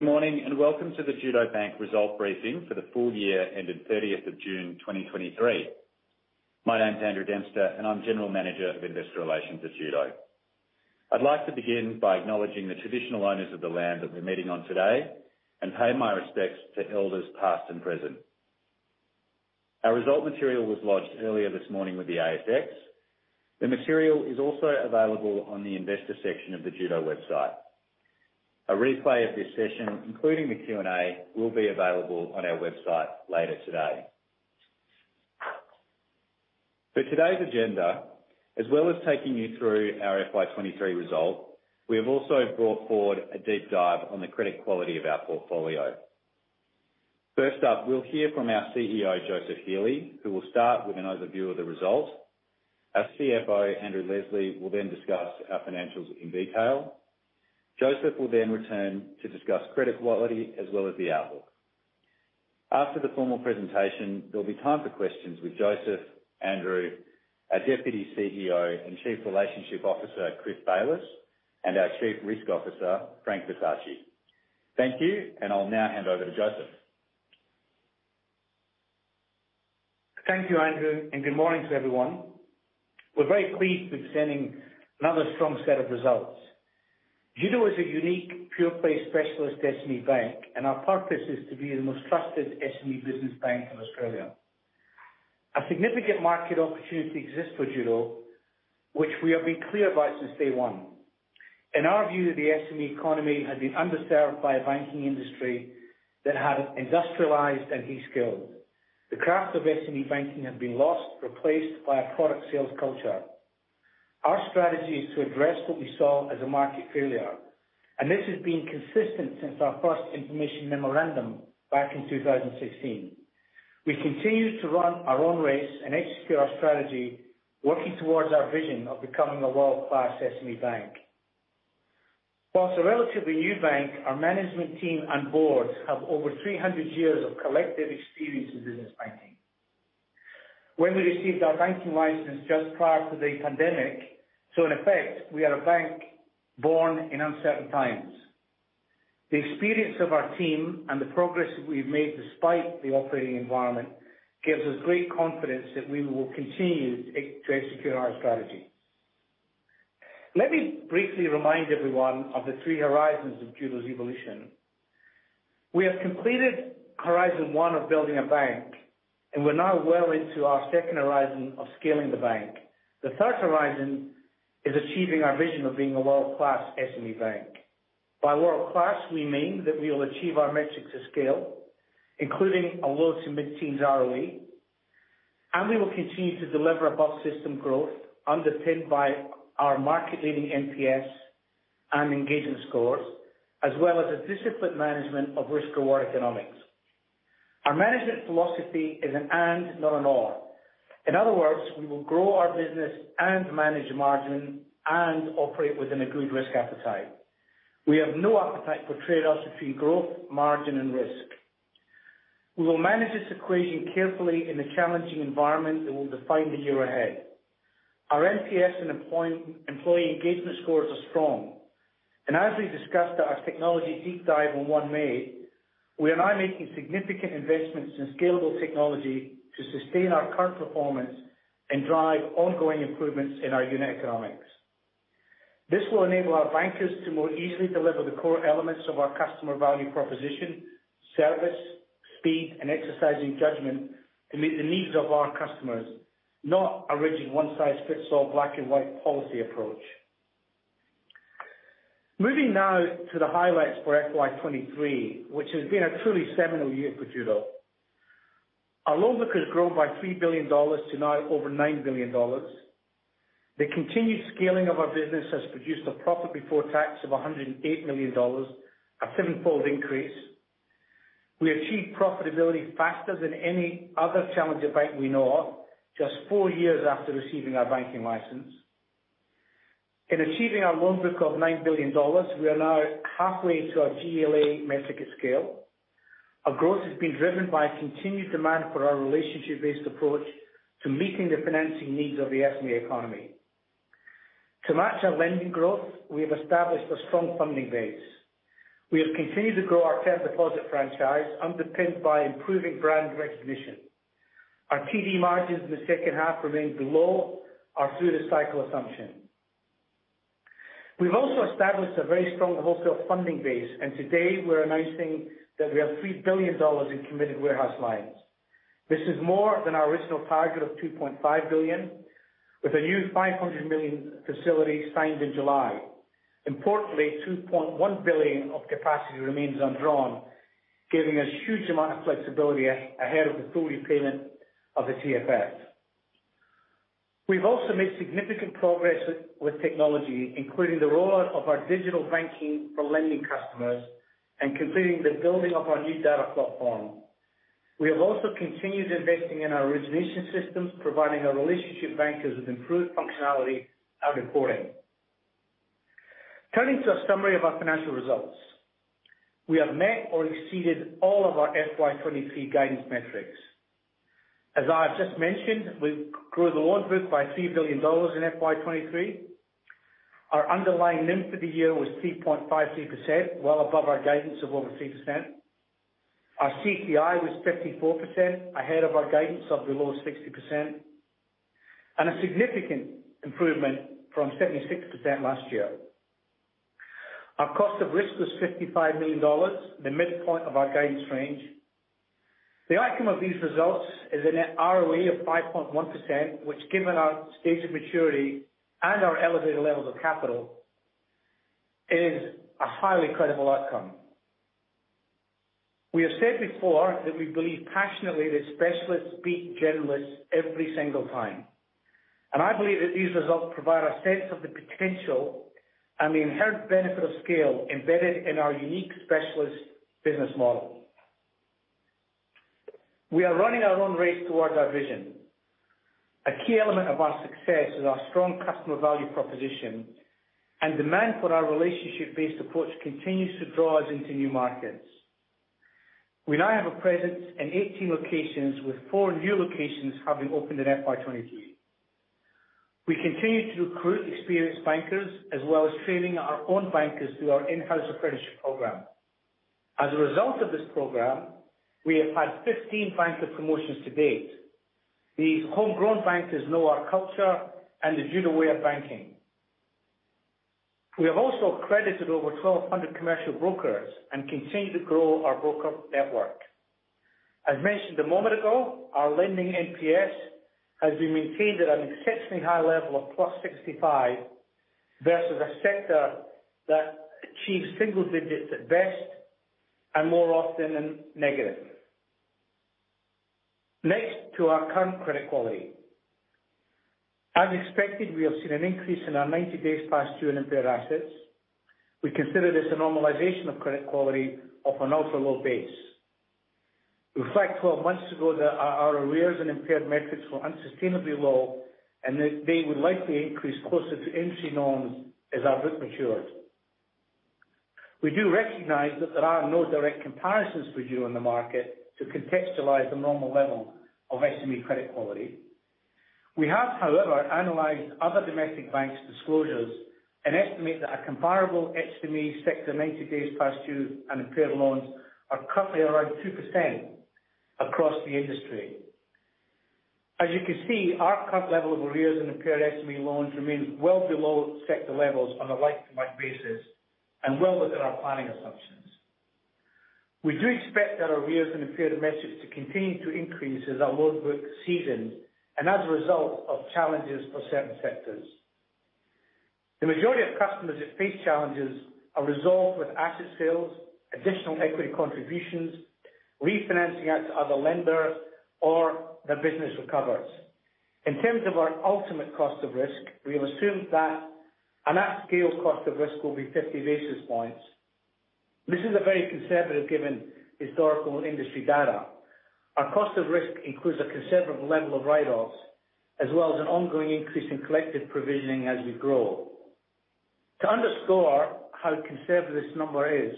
Good morning, and welcome to the Judo Bank Result Briefing for the full year ending 30th of June 2023. My name is Andrew Dempster, and I'm General Manager of Investor Relations at Judo. I'd like to begin by acknowledging the traditional owners of the land that we're meeting on today and pay my respects to elders, past and present. Our result material was lodged earlier this morning with the ASX. The material is also available on the investor section of the Judo website. A replay of this session, including the Q&A, will be available on our website later today. For today's agenda, as well as taking you through our FY 2023 result, we have also brought forward a deep dive on the credit quality of our portfolio. First up, we'll hear from our CEO, Joseph Healy, who will start with an overview of the result. Our CFO, Andrew Leslie, will then discuss our financials in detail. Joseph will then return to discuss credit quality as well as the outlook. After the formal presentation, there'll be time for questions with Joseph, Andrew, our Deputy CEO and Chief Relationship Officer, Chris Bayliss, and our Chief Risk Officer, Frank Versace. Thank you, and I'll now hand over to Joseph. Thank you, Andrew, and good morning to everyone. We're very pleased with presenting another strong set of results. Judo is a unique, pure-play specialist SME bank, and our purpose is to be the most trusted SME business bank in Australia. A significant market opportunity exists for Judo, which we have been clear about since day one. In our view, the SME economy has been underserved by a banking industry that had industrialized and de-skilled. The craft of SME banking had been lost, replaced by a product sales culture. Our strategy is to address what we saw as a market failure, and this has been consistent since our first information memorandum back in 2016. We continue to run our own race and execute our strategy, working towards our vision of becoming a world-class SME bank. While a relatively new bank, our management team and board have over 300 years of collective experience in business banking. When we received our banking license just prior to the pandemic, so in effect, we are a bank born in uncertain times. The experience of our team and the progress we've made, despite the operating environment, gives us great confidence that we will continue to execute our strategy. Let me briefly remind everyone of the three horizons of Judo's evolution. We have completed horizon one of building a bank, and we're now well into our second horizon of scaling the bank. The third horizon is achieving our vision of being a world-class SME bank. By world-class, we mean that we will achieve our metrics at scale, including a low to mid-teens ROE, and we will continue to deliver above-system growth, underpinned by our market-leading NPS and engagement scores, as well as a disciplined management of risk-reward economics. Our management philosophy is an and, not an or. In other words, we will grow our business and manage margin and operate within a good risk appetite. We have no appetite for trade-offs between growth, margin, and risk. We will manage this equation carefully in the challenging environment that will define the year ahead. Our NPS and employee engagement scores are strong, and as we discussed at our technology deep dive on 1 May, we are now making significant investments in scalable technology to sustain our current performance and drive ongoing improvements in our unit economics. This will enable our bankers to more easily deliver the core elements of our customer value proposition, service, speed, and exercising judgment to meet the needs of our customers, not a rigid, one-size-fits-all, black-and-white policy approach. Moving now to the highlights for FY 2023, which has been a truly seminal year for Judo. Our loan book has grown by 3 billion dollars to now over 9 billion dollars. The continued scaling of our business has produced a profit before tax of 108 million dollars, a sevenfold increase. We achieved profitability faster than any other challenger bank we know of, just 4 years after receiving our banking license. In achieving our loan book of 9 billion dollars, we are now halfway to our GLA metric at scale. Our growth has been driven by a continued demand for our relationship-based approach to meeting the financing needs of the SME economy. To match our lending growth, we have established a strong funding base. We have continued to grow our term deposit franchise, underpinned by improving brand recognition. Our TD margins in the second half remained below our through-the-cycle assumption. We've also established a very strong wholesale funding base, and today we're announcing that we have 3 billion dollars in committed warehouse lines. This is more than our original target of 2.5 billion, with a new 500 million facility signed in July. Importantly, 2.1 billion of capacity remains undrawn, giving us huge amount of flexibility ahead of the full repayment of the TFF. We've also made significant progress with technology, including the rollout of our digital banking for lending customers and completing the building of our new data platform. We have also continued investing in our origination systems, providing our relationship bankers with improved functionality and reporting. Turning to a summary of our financial results. We have met or exceeded all of our FY 2023 guidance metrics, as I have just mentioned, we've grew the loan book by 3 billion dollars in FY 2023. Our underlying NIM for the year was 3.53%, well above our guidance of over 3%. Our CTI was 54%, ahead of our guidance of below 60%, and a significant improvement from 76% last year. Our cost of risk was 55 million dollars, the midpoint of our guidance range. The outcome of these results is a net ROE of 5.1%, which given our stage of maturity and our elevated levels of capital, is a highly credible outcome. We have said before that we believe passionately that specialists beat generalists every single time, and I believe that these results provide a sense of the potential and the inherent benefit of scale embedded in our unique specialist business model. We are running our own race towards our vision. A key element of our success is our strong customer value proposition, and demand for our relationship-based approach continues to draw us into new markets. We now have a presence in 18 locations, with four new locations having opened in FY 2023. We continue to recruit experienced bankers, as well as training our own bankers through our in-house apprenticeship program. As a result of this program, we have had 15 banker promotions to date. These homegrown bankers know our culture and the Judo way of banking. We have also accredited over 1,200 commercial brokers and continue to grow our broker network. As mentioned a moment ago, our lending NPS has been maintained at an exceptionally high level of +65, versus a sector that achieves single digits at best and more often than negative. Next to our current credit quality. As expected, we have seen an increase in our 90 days past due in impaired assets. We consider this a normalization of credit quality of an ultra-low base. In fact, 12 months ago, our arrears and impaired metrics were unsustainably low, and they would likely increase closer to industry norms as our book matures. We do recognize that there are no direct comparisons for Judo in the market to contextualize the normal level of SME credit quality. We have, however, analyzed other domestic banks' disclosures and estimate that a comparable SME sector, 90-days past due and impaired loans, are currently around 2% across the industry. As you can see, our current level of arrears and impaired SME loans remains well below sector levels on a like-to-like basis and well within our planning assumptions. We do expect that arrears and impaired metrics to continue to increase as our loan book seasons and as a result of challenges for certain sectors. The majority of customers that face challenges are resolved with asset sales, additional equity contributions, refinancing out to other lenders, or their business recovers. In terms of our ultimate cost of risk, we have assumed that an at-scale cost of risk will be 50 basis points. This is very conservative, given historical industry data. Our cost of risk includes a considerable level of write-offs, as well as an ongoing increase in collective provisioning as we grow. To underscore how conservative this number is,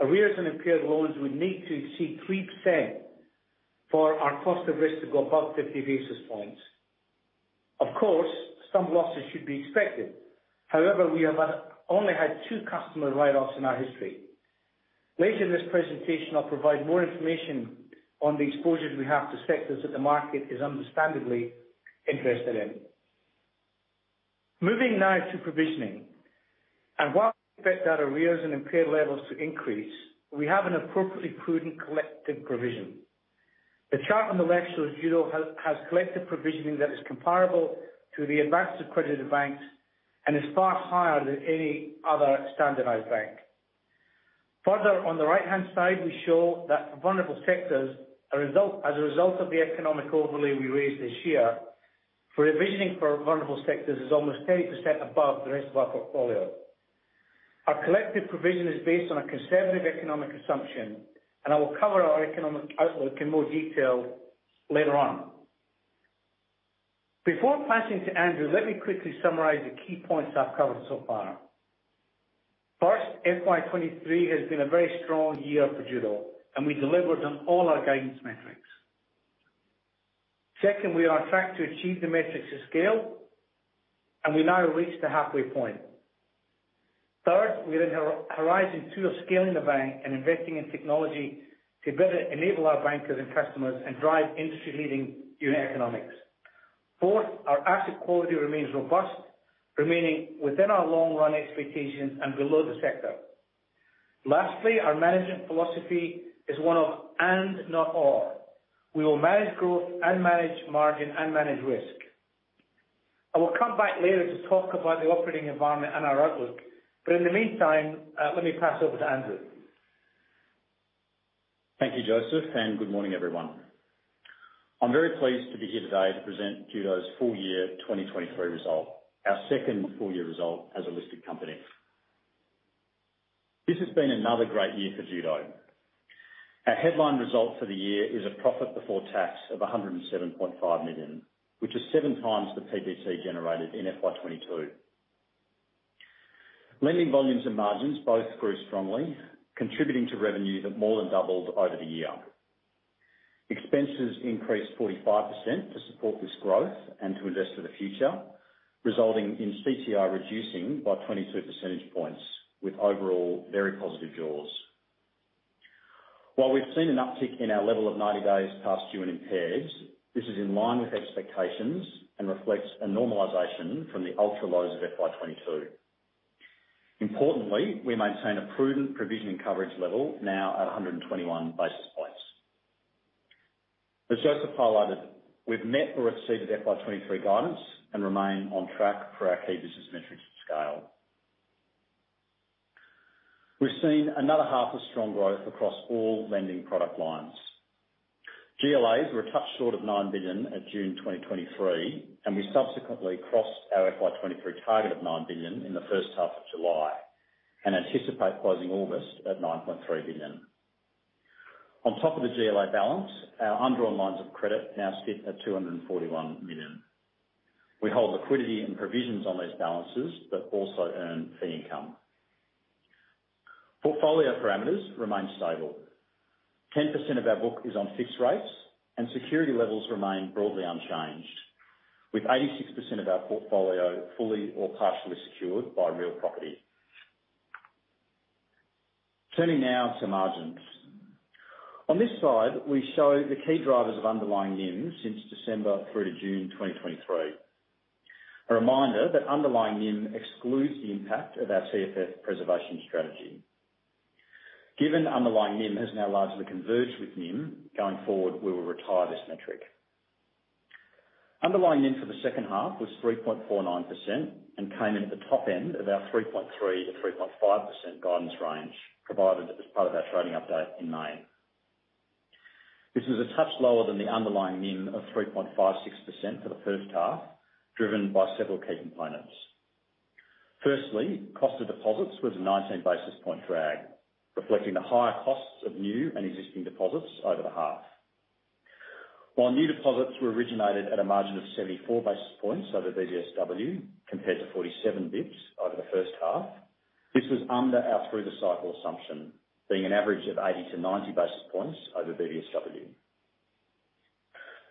arrears and impaired loans would need to see 3% for our cost of risk to go above 50 basis points. Of course, some losses should be expected. However, we have only had two customer write-offs in our history. Later in this presentation, I'll provide more information on the exposures we have to sectors that the market is understandably interested in. Moving now to provisioning, and while we expect that arrears and impaired levels to increase, we have an appropriately prudent collective provision. The chart on the left shows Judo has collective provisioning that is comparable to the advanced accredited banks and is far higher than any other standardized bank. Further, on the right-hand side, we show that, as a result of the economic overlay we raised this year, provisioning for vulnerable sectors is almost 30% above the rest of our portfolio. Our collective provision is based on a conservative economic assumption, and I will cover our economic outlook in more detail later on. Before passing to Andrew, let me quickly summarize the key points I've covered so far. First, FY 2023 has been a very strong year for Judo, and we delivered on all our guidance metrics. Second, we are on track to achieve the metrics of scale, and we now reach the halfway point. Third, we are in horizon two of scaling the bank and investing in technology to better enable our bankers and customers and drive industry-leading unit economics. Fourth, our asset quality remains robust, remaining within our long-run expectations and below the sector. Lastly, our management philosophy is one of and, not or. We will manage growth and manage margin and manage risk. I will come back later to talk about the operating environment and our outlook, but in the meantime, let me pass over to Andrew. Thank you, Joseph, and good morning, everyone. I'm very pleased to be here today to present Judo's full year 2023 result, our second full-year result as a listed company. This has been another great year for Judo. Our headline result for the year is a profit before tax of 107.5 million, which is 7 times the PBT generated in FY 2022. Lending volumes and margins both grew strongly, contributing to revenue that more than doubled over the year. Expenses increased 45% to support this growth and to invest for the future, resulting in CTI reducing by 22 percentage points, with overall very positive jaws. While we've seen an uptick in our level of 90 days past due and impaired, this is in line with expectations and reflects a normalization from the ultra lows of FY 2022. Importantly, we maintain a prudent provisioning coverage level, now at 121 basis points. As Joseph highlighted, we've met or exceeded FY 2023 guidance and remain on track for our key business metrics at scale. We've seen another half of strong growth across all lending product lines. GLAs were a touch short of 9 billion at June 2023, and we subsequently crossed our FY 2023 target of 9 billion in the first half of July, and anticipate closing August at 9.3 billion. On top of the GLA balance, our undrawn lines of credit now sit at 241 million. We hold liquidity and provisions on those balances, but also earn fee income. Portfolio parameters remain stable. 10% of our book is on fixed rates, and security levels remain broadly unchanged, with 86% of our portfolio fully or partially secured by real property. Turning now to margins. On this slide, we show the key drivers of underlying NIM since December through to June 2023. A reminder that underlying NIM excludes the impact of our TFF preservation strategy. Given underlying NIM has now largely converged with NIM, going forward, we will retire this metric. Underlying NIM for the second half was 3.49% and came in at the top end of our 3.3%-3.5% guidance range, provided as part of our trading update in May. This is a touch lower than the underlying NIM of 3.56% for the first half, driven by several key components. Firstly, cost of deposits was a 19 basis point drag, reflecting the higher costs of new and existing deposits over the half. While new deposits were originated at a margin of 74 basis points over BBSW, compared to 47 basis points over the first half, this was under our through the cycle assumption, being an average of 80-90 basis points over BBSW.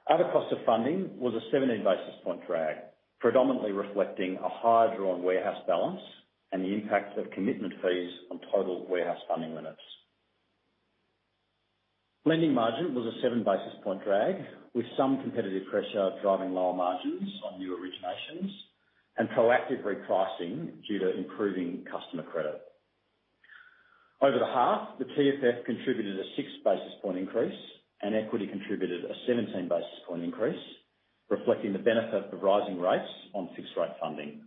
Other costs of funding was a 17 basis point drag, predominantly reflecting a higher drawn warehouse balance and the impact of commitment fees on total warehouse funding limits. Lending margin was a 7 basis point drag, with some competitive pressure driving lower margins on new originations and proactive repricing due to improving customer credit. Over the half, the TFF contributed a 6 basis point increase and equity contributed a 17 basis point increase, reflecting the benefit of rising rates on fixed rate funding.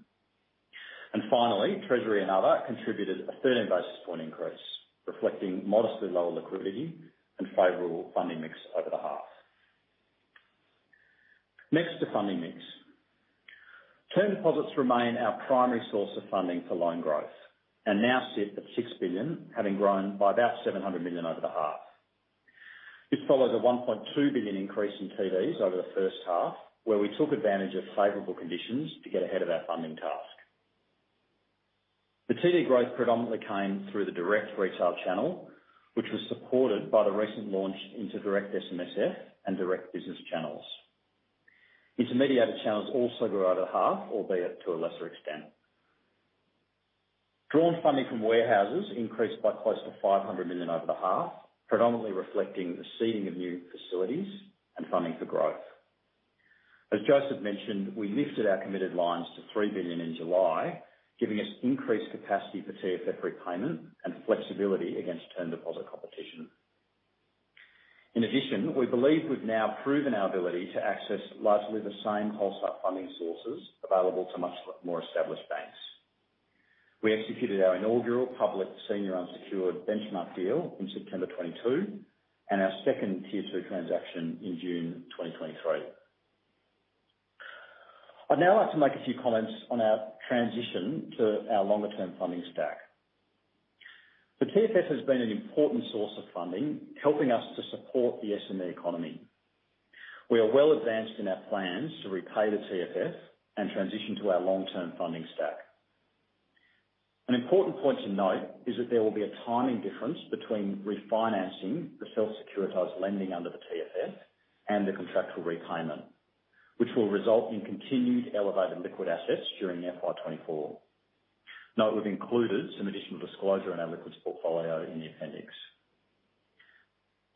Finally, treasury and other contributed a 13 basis points increase, reflecting modestly lower liquidity and favorable funding mix over the half. Next, to funding mix. Term deposits remain our primary source of funding for loan growth and now sit at 6 billion, having grown by about 700 million over the half. This follows a 1.2 billion increase in TDs over the first half, where we took advantage of favorable conditions to get ahead of our funding task. The TD growth predominantly came through the direct retail channel, which was supported by the recent launch into Direct SMSF and Direct Business channels. Intermediated channels also grew over the half, albeit to a lesser extent. Drawn funding from warehouses increased by close to 500 million over the half, predominantly reflecting the seeding of new facilities and funding for growth. As Joseph mentioned, we lifted our committed lines to 3 billion in July, giving us increased capacity for TFF repayment and flexibility against term deposit competition. In addition, we believe we've now proven our ability to access largely the same wholesale funding sources available to much more established banks. We executed our inaugural public senior unsecured benchmark deal in September 2022, and our second Tier 2 transaction in June 2023. I'd now like to make a few comments on our transition to our longer-term funding stack. The TFF has been an important source of funding, helping us to support the SME economy. We are well advanced in our plans to repay the TFF and transition to our long-term funding stack. An important point to note is that there will be a timing difference between refinancing the self-securitized lending under the TFF and the contractual repayment, which will result in continued elevated liquid assets during FY 2024. Note, we've included some additional disclosure on our liquids portfolio in the appendix.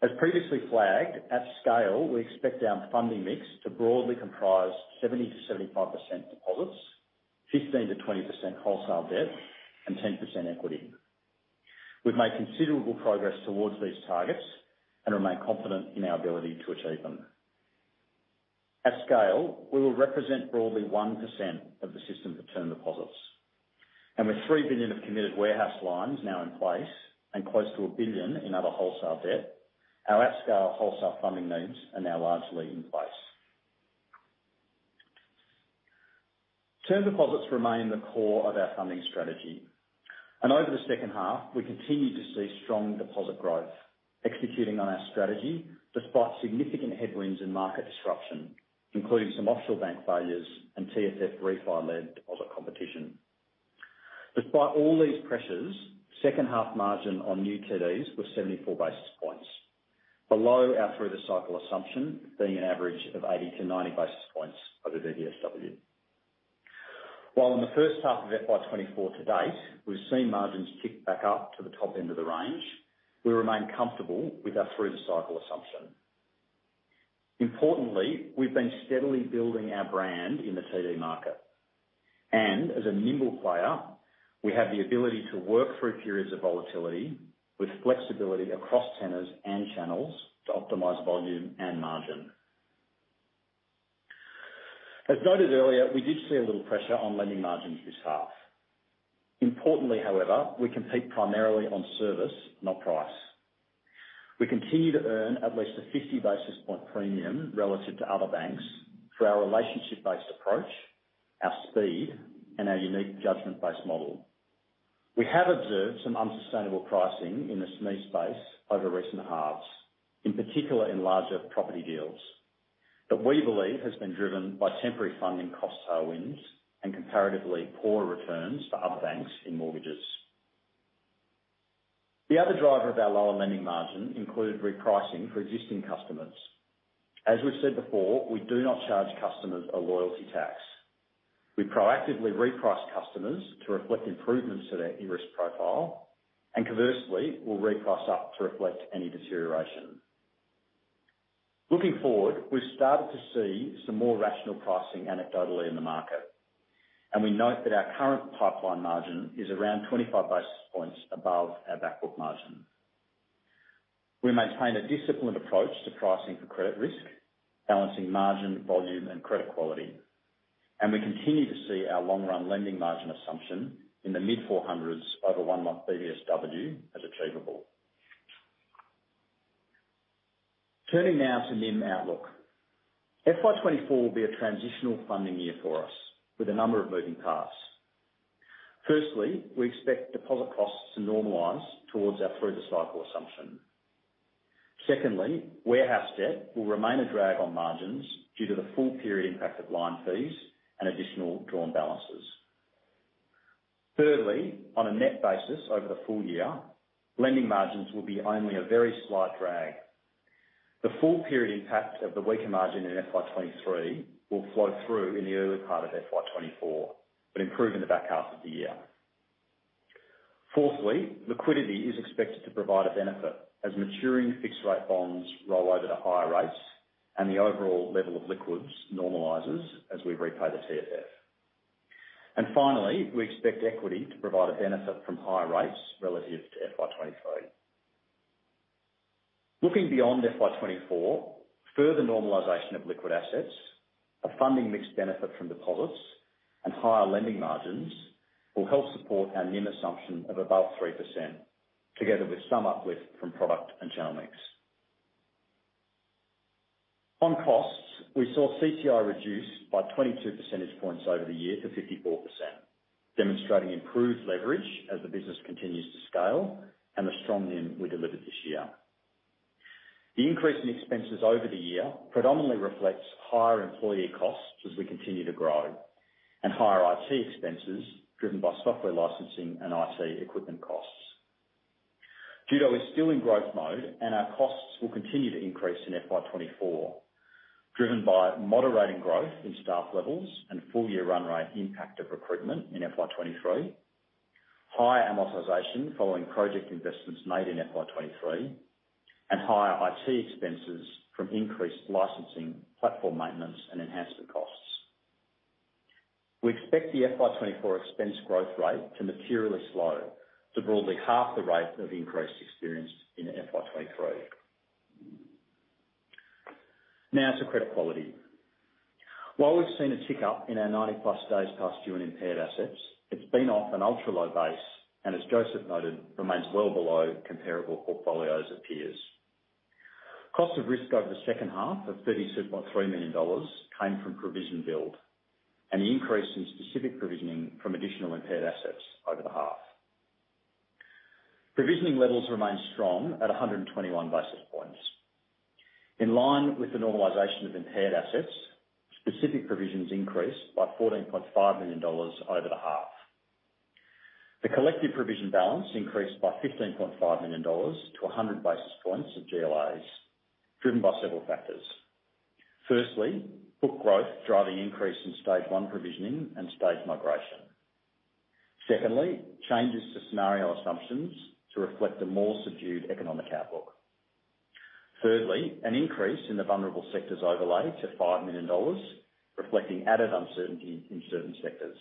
As previously flagged, at scale, we expect our funding mix to broadly comprise 70%-75% deposits, 15%-20% wholesale debt, and 10% equity. We've made considerable progress towards these targets and remain confident in our ability to achieve them. At scale, we will represent broadly 1% of the system for term deposits, and with 3 billion of committed warehouse lines now in place and close to 1 billion in other wholesale debt, our at scale wholesale funding needs are now largely in place. Term deposits remain the core of our funding strategy, and over the second half, we continued to see strong deposit growth executing on our strategy, despite significant headwinds and market disruption, including some offshore bank failures and TFF refi-led deposit competition. Despite all these pressures, second half margin on new TDs was 74 basis points, below our through-the-cycle assumption, being an average of 80-90 basis points over BBSW. While in the first half of FY 2024 to date, we've seen margins tick back up to the top end of the range, we remain comfortable with our through-the-cycle assumption. Importantly, we've been steadily building our brand in the CD market, and as a nimble player, we have the ability to work through periods of volatility with flexibility across tenors and channels to optimize volume and margin. As noted earlier, we did see a little pressure on lending margins this half. Importantly, however, we compete primarily on service, not price. We continue to earn at least a 50 basis point premium relative to other banks for our relationship-based approach, our speed, and our unique judgment-based model. We have observed some unsustainable pricing in the SME space over recent halves, in particular, in larger property deals, that we believe has been driven by temporary funding cost tailwinds and comparatively poorer returns for other banks in mortgages. The other driver of our lower lending margin included repricing for existing customers. As we've said before, we do not charge customers a loyalty tax. We proactively reprice customers to reflect improvements to their risk profile, and conversely, will reprice up to reflect any deterioration. Looking forward, we've started to see some more rational pricing anecdotally in the market, and we note that our current pipeline margin is around 25 basis points above our backbook margin. We maintain a disciplined approach to pricing for credit risk, balancing margin, volume, and credit quality, and we continue to see our long-run lending margin assumption in the mid-400s over 1-month BBSW as achievable. Turning now to NIM outlook. FY 2024 will be a transitional funding year for us, with a number of moving parts. Firstly, we expect deposit costs to normalize towards our through-the-cycle assumption. Secondly, warehouse debt will remain a drag on margins due to the full period impact of line fees and additional drawn balances. Thirdly, on a net basis over the full year, lending margins will be only a very slight drag. The full period impact of the weaker margin in FY 2023 will flow through in the early part of FY 2024, but improve in the back half of the year. Fourthly, liquidity is expected to provide a benefit as maturing fixed rate bonds roll over to higher rates, and the overall level of liquids normalizes as we repay the TFF. And finally, we expect equity to provide a benefit from higher rates relative to FY 2023. Looking beyond FY 2024, further normalization of liquid assets, a funding mixed benefit from deposits, and higher lending margins, will help support our NIM assumption of above 3%, together with some uplift from product and channel mix. On costs, we saw CCI reduce by 22 percentage points over the year to 54%, demonstrating improved leverage as the business continues to scale and the strong NIM we delivered this year. The increase in expenses over the year predominantly reflects higher employee costs as we continue to grow, and higher IT expenses driven by software licensing and IT equipment costs. Judo is still in growth mode, and our costs will continue to increase in FY 2024, driven by moderating growth in staff levels and full year run rate impact of recruitment in FY 2023, higher amortization following project investments made in FY 2023, and higher IT expenses from increased licensing, platform maintenance, and enhancement costs. We expect the FY 2024 expense growth rate to materially slow to broadly half the rate of increase experienced in FY 2023. Now to credit quality. While we've seen a tick up in our 90+ days past due in impaired assets, it's been off an ultra-low base, and as Joseph noted, remains well below comparable portfolios of peers. Cost of risk over the second half of AUD 36.3 million came from provision build, and the increase in specific provisioning from additional impaired assets over the half. Provisioning levels remain strong at 121 basis points. In line with the normalization of impaired assets, specific provisions increased by AUD 14.5 million over the half. The collective provision balance increased by AUD 15.5 million to 100 basis points of GLAs, driven by several factors. Firstly, book growth, driving increase in stage one provisioning and stage migration. Secondly, changes to scenario assumptions to reflect a more subdued economic outlook. Thirdly, an increase in the vulnerable sectors overlay to 5 million dollars, reflecting added uncertainty in certain sectors.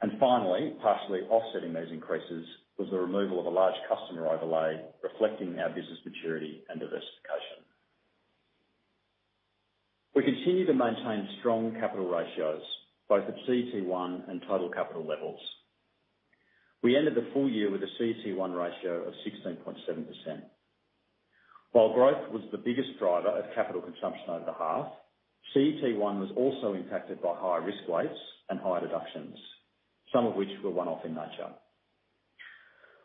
And finally, partially offsetting those increases, was the removal of a large customer overlay, reflecting our business maturity and diversification. We continue to maintain strong capital ratios, both at CET1 and total capital levels. We ended the full year with a CET1 ratio of 16.7%. While growth was the biggest driver of capital consumption over the half, CET1 was also impacted by higher risk weights and higher deductions, some of which were one-off in nature....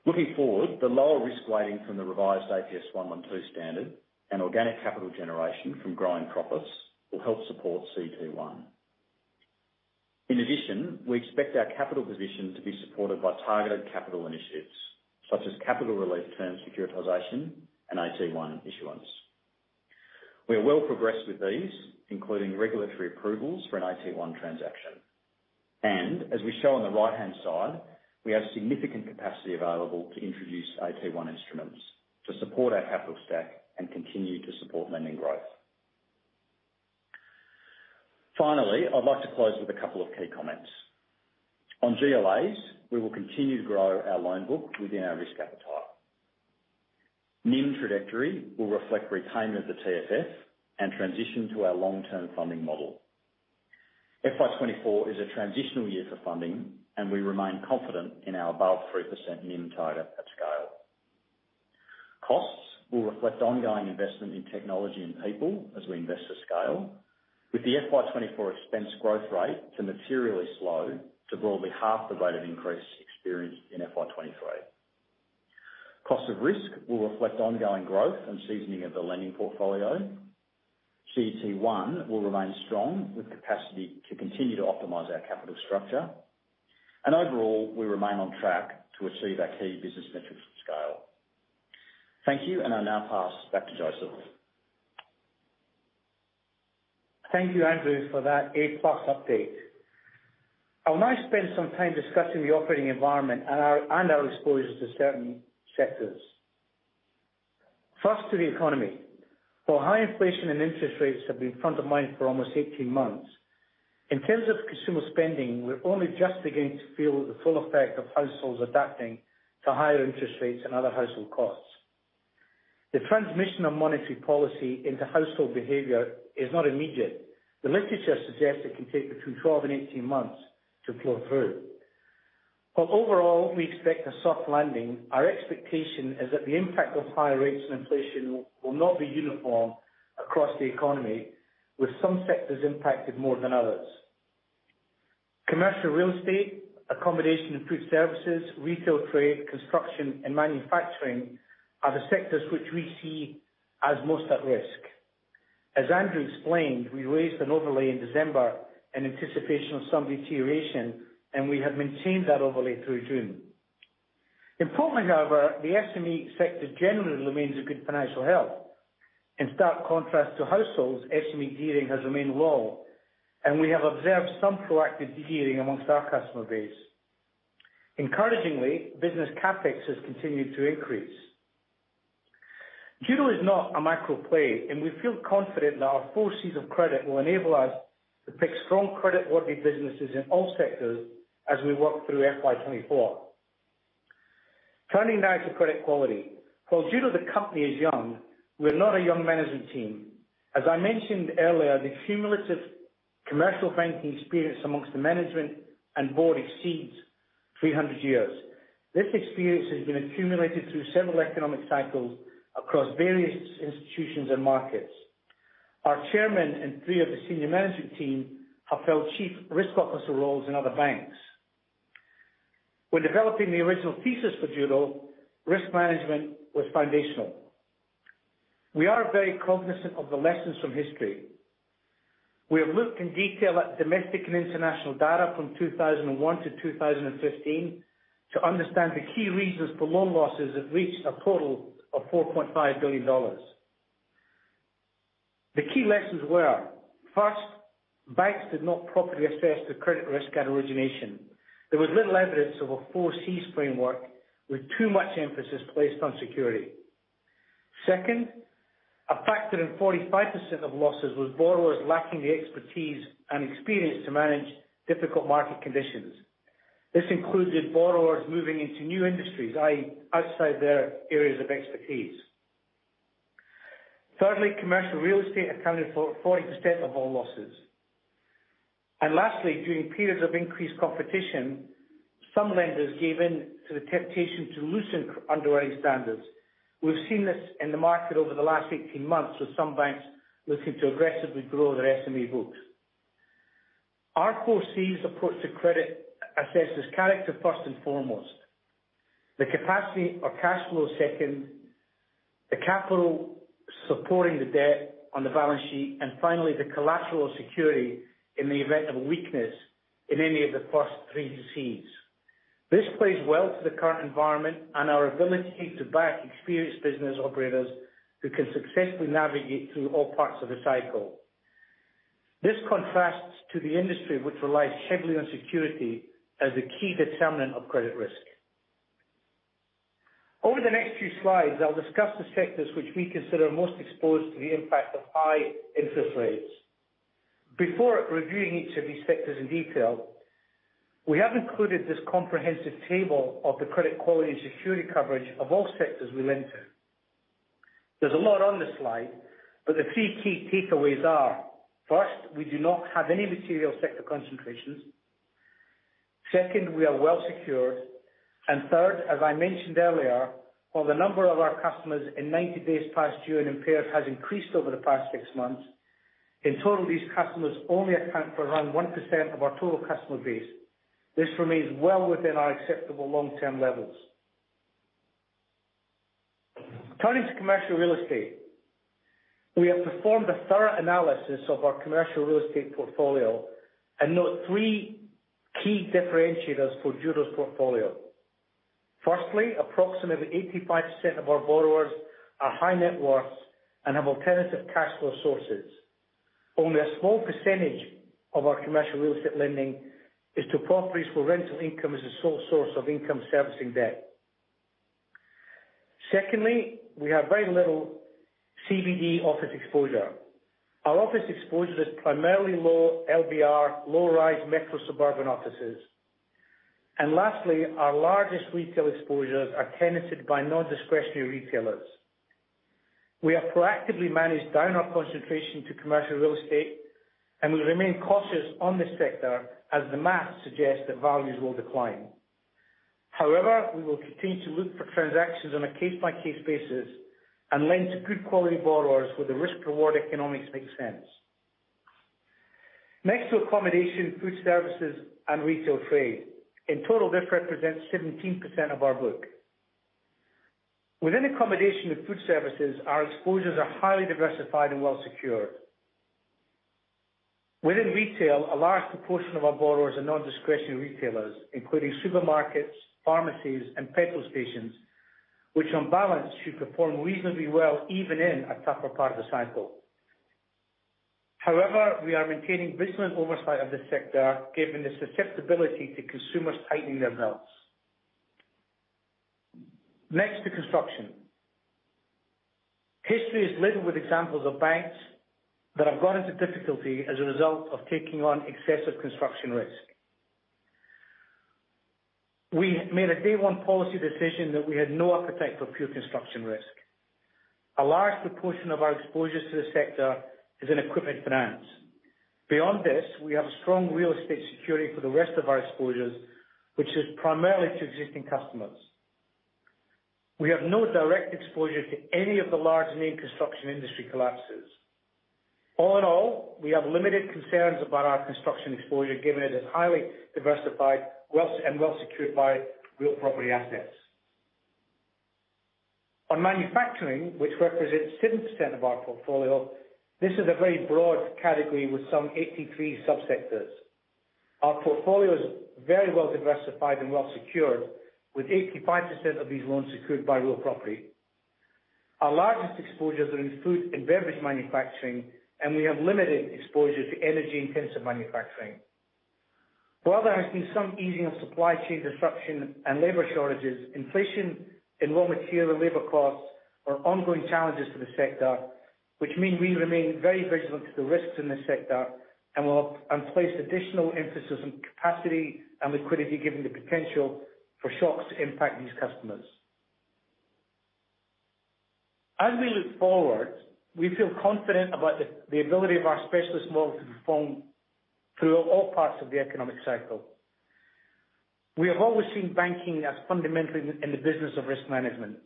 Looking forward, the lower risk weighting from the revised APS 112 standard and organic capital generation from growing profits will help support CET1. In addition, we expect our capital position to be supported by targeted capital initiatives, such as capital relief terms, securitization, and AT1 issuance. We are well progressed with these, including regulatory approvals for an AT1 transaction. As we show on the right-hand side, we have significant capacity available to introduce AT1 instruments to support our capital stack and continue to support lending growth. Finally, I'd like to close with a couple of key comments. On GLAs, we will continue to grow our loan book within our risk appetite. NIM trajectory will reflect retainment of the TFF and transition to our long-term funding model. FY 2024 is a transitional year for funding, and we remain confident in our above 3% NIM title at scale. Costs will reflect ongoing investment in technology and people as we invest to scale, with the FY 2024 expense growth rate to materially slow to broadly half the rate of increase experienced in FY 2023. Cost of risk will reflect ongoing growth and seasoning of the lending portfolio. CET1 will remain strong, with capacity to continue to optimize our capital structure. Overall, we remain on track to achieve our key business metrics for scale. Thank you, and I'll now pass back to Joseph. Thank you, Andrew, for that A-plus update. I'll now spend some time discussing the operating environment and our exposure to certain sectors. First, to the economy. While high inflation and interest rates have been front of mind for almost 18 months, in terms of consumer spending, we're only just beginning to feel the full effect of households adapting to higher interest rates and other household costs. The transmission of monetary policy into household behavior is not immediate. The literature suggests it can take between 12 and 18 months to flow through, but overall, we expect a soft landing. Our expectation is that the impact of higher rates and inflation will not be uniform across the economy, with some sectors impacted more than others. Commercial real estate, accommodation and food services, retail, trade, construction, and manufacturing are the sectors which we see as most at risk. As Andrew explained, we raised an overlay in December in anticipation of some deterioration, and we have maintained that overlay through June. Importantly, however, the SME sector generally remains in good financial health. In stark contrast to households, SME de-gearing has remained low, and we have observed some proactive de-gearing amongst our customer base. Encouragingly, business CapEx has continued to increase. Judo is not a macro play, and we feel confident that our four Cs of credit will enable us to pick strong creditworthy businesses in all sectors as we work through FY 2024. Turning now to credit quality. While Judo, the company, is young, we're not a young management team. As I mentioned earlier, the cumulative commercial banking experience amongst the management and board exceeds 300 years. This experience has been accumulated through several economic cycles across various institutions and markets. Our chairman and three of the senior management team have held chief risk officer roles in other banks. When developing the original thesis for Judo, risk management was foundational. We are very cognizant of the lessons from history. We have looked in detail at domestic and international data from 2001 to 2015, to understand the key reasons for loan losses that reached a total of 4.5 billion dollars. The key lessons were, first, banks did not properly assess the credit risk at origination. There was little evidence of a Four Cs framework, with too much emphasis placed on security. Second, a factor in 45% of losses was borrowers lacking the expertise and experience to manage difficult market conditions. This included borrowers moving into new industries, i.e., outside their areas of expertise. Thirdly, commercial real estate accounted for 40% of all losses, and lastly, during periods of increased competition, some lenders gave in to the temptation to loosen underwriting standards. We've seen this in the market over the last 18 months, with some banks looking to aggressively grow their SME books. Our Four Cs approach to credit assesses character first and foremost, the capacity or cash flow second, the capital supporting the debt on the balance sheet, and finally, the collateral security in the event of a weakness in any of the first three Cs. This plays well to the current environment and our ability to back experienced business operators who can successfully navigate through all parts of the cycle. This contrasts to the industry which relies heavily on security as the key determinant of credit risk. Over the next few slides, I'll discuss the sectors which we consider most exposed to the impact of high interest rates. Before reviewing each of these sectors in detail, we have included this comprehensive table of the credit quality and security coverage of all sectors we lend to. There's a lot on this slide, but the three key takeaways are, first, we do not have any material sector concentrations. Second, we are well secured, and third, as I mentioned earlier, while the number of our customers in 90 days past due and impaired has increased over the past six months, in total, these customers only account for around 1% of our total customer base. This remains well within our acceptable long-term levels. Turning to commercial real estate, we have performed a thorough analysis of our commercial real estate portfolio and note three key differentiators for Judo's portfolio. Firstly, approximately 85% of our borrowers are high net worth and have alternative cash flow sources. Only a small percentage of our commercial real estate lending is to properties where rental income is the sole source of income servicing debt. Secondly, we have very little CBD office exposure. Our office exposure is primarily low LVR, low-rise metro suburban offices, and lastly, our largest retail exposures are tenanted by non-discretionary retailers. We have proactively managed down our concentration to commercial real estate, and we remain cautious on this sector as the math suggests that values will decline. However, we will continue to look for transactions on a case-by-case basis and lend to good quality borrowers where the risk to reward economics makes sense. Next, to accommodation, food services, and retail trade. In total, this represents 17% of our book. Within accommodation with food services, our exposures are highly diversified and well secured. Within retail, a large proportion of our borrowers are non-discretionary retailers, including supermarkets, pharmacies, and petrol stations, which on balance, should perform reasonably well, even in a tougher part of the cycle. However, we are maintaining vigilant oversight of this sector, given the susceptibility to consumers tightening their belts. Next to construction. History is littered with examples of banks that have got into difficulty as a result of taking on excessive construction risk. We made a day one policy decision that we had no appetite for pure construction risk. A large proportion of our exposures to the sector is in equipment finance. Beyond this, we have strong real estate security for the rest of our exposures, which is primarily to existing customers. We have no direct exposure to any of the large name construction industry collapses. All in all, we have limited concerns about our construction exposure, given it is highly diversified and well secured by real property assets. On manufacturing, which represents 10% of our portfolio, this is a very broad category with some 83 subsectors. Our portfolio is very well diversified and well secured, with 85% of these loans secured by real property. Our largest exposures are in food and beverage manufacturing, and we have limited exposure to energy-intensive manufacturing. While there has been some easing of supply chain disruption and labor shortages, inflation in raw material and labor costs are ongoing challenges to the sector, which mean we remain very vigilant to the risks in this sector and place additional emphasis on capacity and liquidity, given the potential for shocks to impact these customers. As we look forward, we feel confident about the ability of our specialist model to perform throughout all parts of the economic cycle. We have always seen banking as fundamentally in the business of risk management.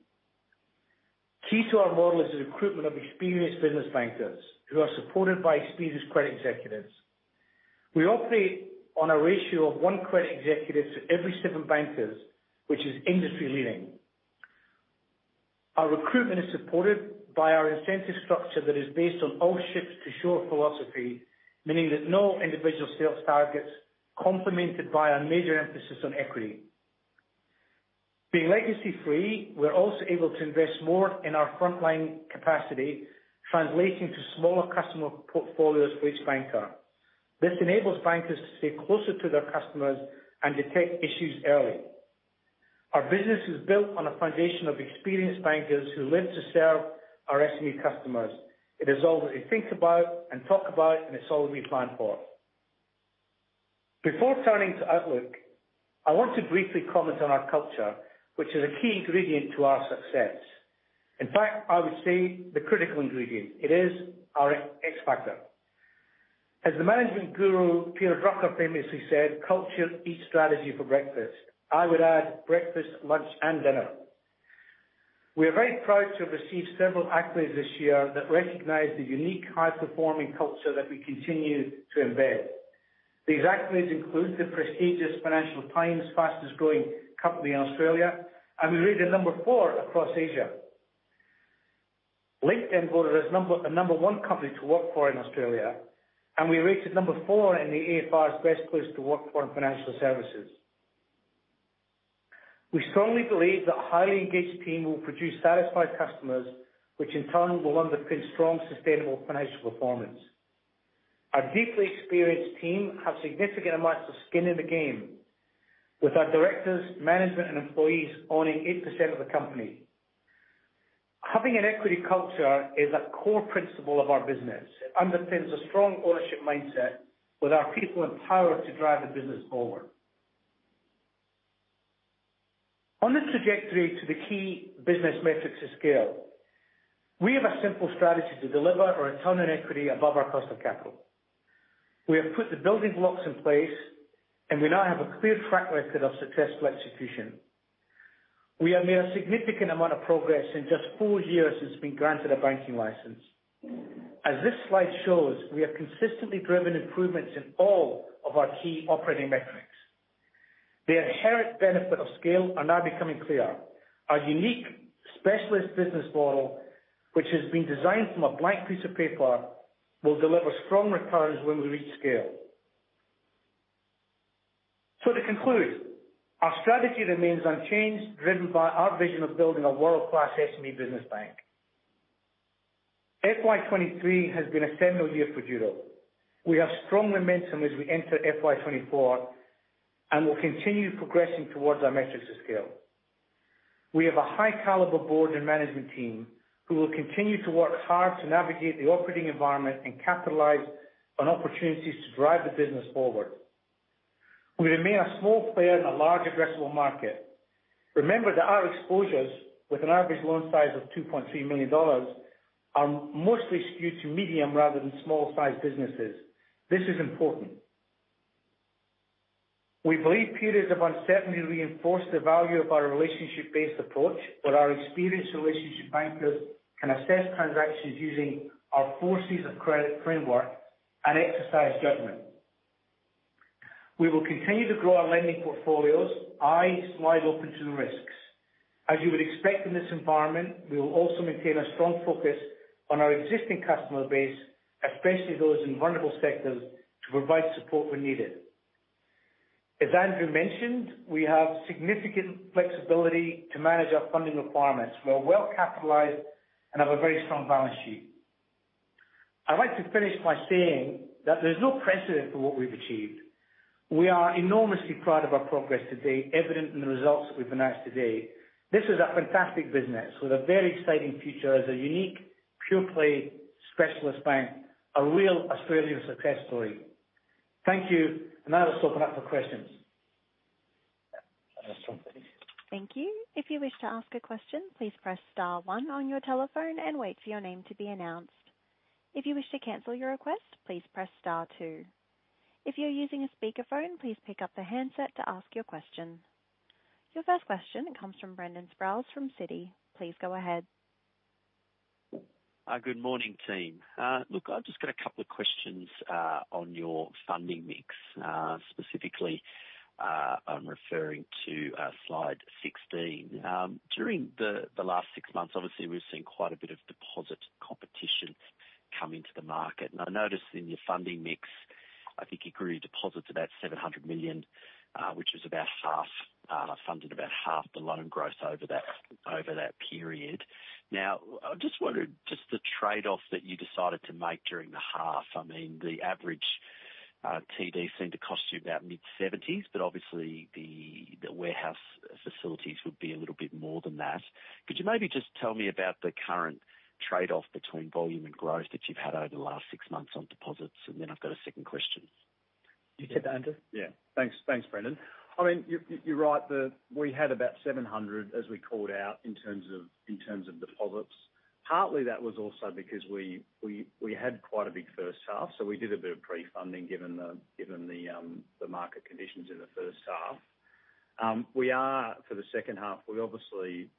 Key to our model is the recruitment of experienced business bankers, who are supported by experienced credit executives. We operate on a ratio of 1 credit executive to every 7 bankers, which is industry-leading. Our recruitment is supported by our incentive structure that is based on all ships to shore philosophy, meaning that no individual sales targets, complemented by our major emphasis on equity. Being legacy-free, we're also able to invest more in our frontline capacity, translating to smaller customer portfolios for each banker. This enables bankers to stay closer to their customers and detect issues early. Our business is built on a foundation of experienced bankers who live to serve our SME customers. It is all that we think about and talk about, and it's all we plan for. Before turning to outlook, I want to briefly comment on our culture, which is a key ingredient to our success. In fact, I would say the critical ingredient. It is our x-factor. As the management guru, Peter Drucker, famously said, "Culture eats strategy for breakfast." I would add, "Breakfast, lunch, and dinner." We are very proud to have received several accolades this year that recognize the unique, high-performing culture that we continue to embed. These accolades include the prestigious Financial Times fastest growing company in Australia, and we rated number 4 across Asia. LinkedIn voted us the number 1 company to work for in Australia, and we rated number 4 in the AFR's best place to work for in financial services. We strongly believe that a highly engaged team will produce satisfied customers, which in turn will underpin strong, sustainable financial performance. Our deeply experienced team have significant amounts of skin in the game. With our directors, management, and employees owning 8% of the company. Having an equity culture is a core principle of our business. It underpins a strong ownership mindset, with our people empowered to drive the business forward. On the trajectory to the key business Metrics at Scale, we have a simple strategy to deliver a return on equity above our cost of capital. We have put the building blocks in place, and we now have a clear track record of successful execution. We have made a significant amount of progress in just four years since being granted a banking license. As this slide shows, we have consistently driven improvements in all of our key operating metrics. The inherent benefit of scale are now becoming clear. Our unique specialist business model, which has been designed from a blank piece of paper, will deliver strong returns when we reach scale. To conclude, our strategy remains unchanged, driven by our vision of building a world-class SME business bank. FY 2023 has been a seminal year for Judo. We have strong momentum as we enter FY 2024, and we'll continue progressing towards our Metrics at Scale. We have a high caliber board and management team, who will continue to work hard to navigate the operating environment and capitalize on opportunities to drive the business forward. We remain a small player in a large addressable market. Remember that our exposures, with an average loan size of 2.3 million dollars, are mostly skewed to medium rather than small-sized businesses. This is important. We believe periods of uncertainty reinforce the value of our relationship-based approach, where our experienced relationship bankers can assess transactions using our Four Cs of Credit framework and exercise judgment. We will continue to grow our lending portfolios, eyes wide open to the risks. As you would expect in this environment, we will also maintain a strong focus on our existing customer base, especially those in vulnerable sectors, to provide support where needed. As Andrew mentioned, we have significant flexibility to manage our funding requirements. We are well capitalized and have a very strong balance sheet. I'd like to finish by saying that there's no precedent for what we've achieved. We are enormously proud of our progress to date, evident in the results that we've announced today. This is a fantastic business with a very exciting future as a unique, pure-play specialist bank, a real Australian success story. Thank you, and now let's open up for questions. Thank you. If you wish to ask a question, please press star one on your telephone and wait for your name to be announced. If you wish to cancel your request, please press star two. If you're using a speakerphone, please pick up the handset to ask your question. Your first question comes from Brendan Sproules from Citi. Please go ahead. Good morning, team. Look, I've just got a couple of questions on your funding mix. Specifically, I'm referring to slide 16. During the last six months, obviously, we've seen quite a bit of deposit competition come into the market. I noticed in your funding mix, I think you grew deposits about 700 million, which was about half, funded about half the loan growth over that period. Now, I just wondered, just the trade-off that you decided to make during the half. I mean, the average TD seemed to cost you about mid-70s, but obviously the warehouse facilities would be a little bit more than that. Could you maybe just tell me about the current trade-off between volume and growth that you've had over the last six months on deposits? I've got a second question. You take that, Andrew? Yeah. Thanks. Thanks, Brendan. I mean, you're right that we had about 700, as we called out, in terms of deposits. Partly that was also because we had quite a big first half, so we did a bit of pre-funding, given the market conditions in the first half. For the second half, we obviously,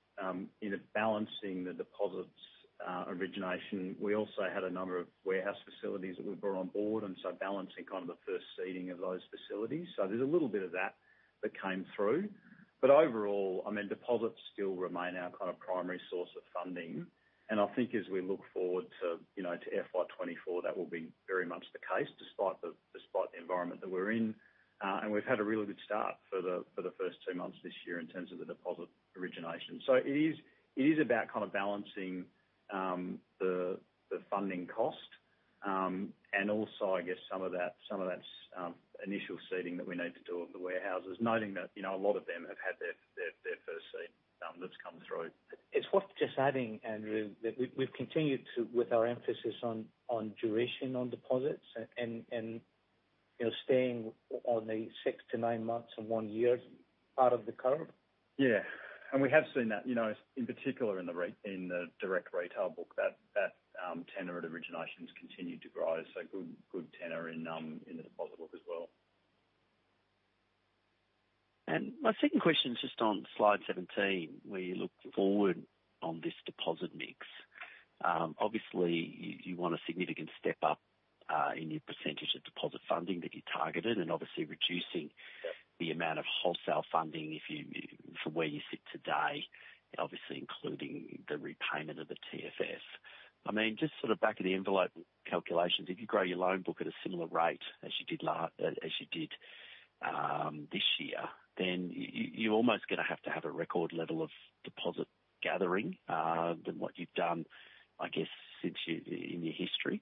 in balancing the deposits origination, we also had a number of warehouse facilities that we brought on board, and so balancing kind of the first seeding of those facilities. So there's a little bit of that that came through. But overall, I mean, deposits still remain our kind of primary source of funding. As we look forward to FY 2024, that will be very much the case, despite the environment that we're in, and we've had a really good start for the, for the first 2 months this year in terms of the deposit origination. It is, it is about kind of balancing, the, the funding cost, and also, I guess, some of that, some of that, initial seeding that we need to do of the warehouses. Noting that, you know, a lot of them have had their, their, their first seed, that's come through. It's worth just adding, Andrew, that we've continued to, with our emphasis on duration on deposits and, you know, staying on the 6-9 months and 1 year out of the curve. Yeah. We have seen that, you know, in particular in the direct retail book, that tenor at originations continued to grow. So good tenor in the deposit book as well. My second question is just on slide 17, where you look forward on this deposit mix. Obviously, you want a significant step up in your percentage of deposit funding that you targeted, and obviously reducing the amount of wholesale funding from where you sit today, obviously including the repayment of the TFF. I mean, just sort of back of the envelope calculations, if you grow your loan book at a similar rate as you did last, as you did this year, then you're almost gonna have to have a record level of deposit gathering than what you've done, I guess, since you in your history.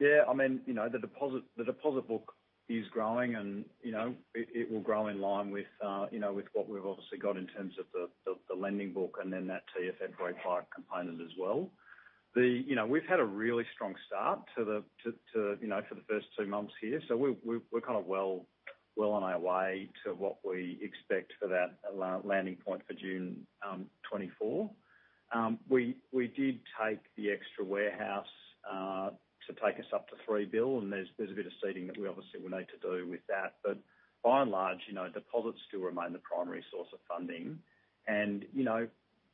Yeah. I mean, you know, the deposit book is growing, and, you know, it will grow in line with, you know, with what we've obviously got in terms of the lending book and then that TFF tail component as well. The. You know, we've had a really strong start to the, you know, for the first two months here, so we're kind of well on our way to what we expect for that landing point for June 2024. We did take the extra warehouse to take us up to 3 billion, and there's a bit of seeding that we obviously will need to do with that. But by and large, you know, deposits still remain the primary source of funding. You know,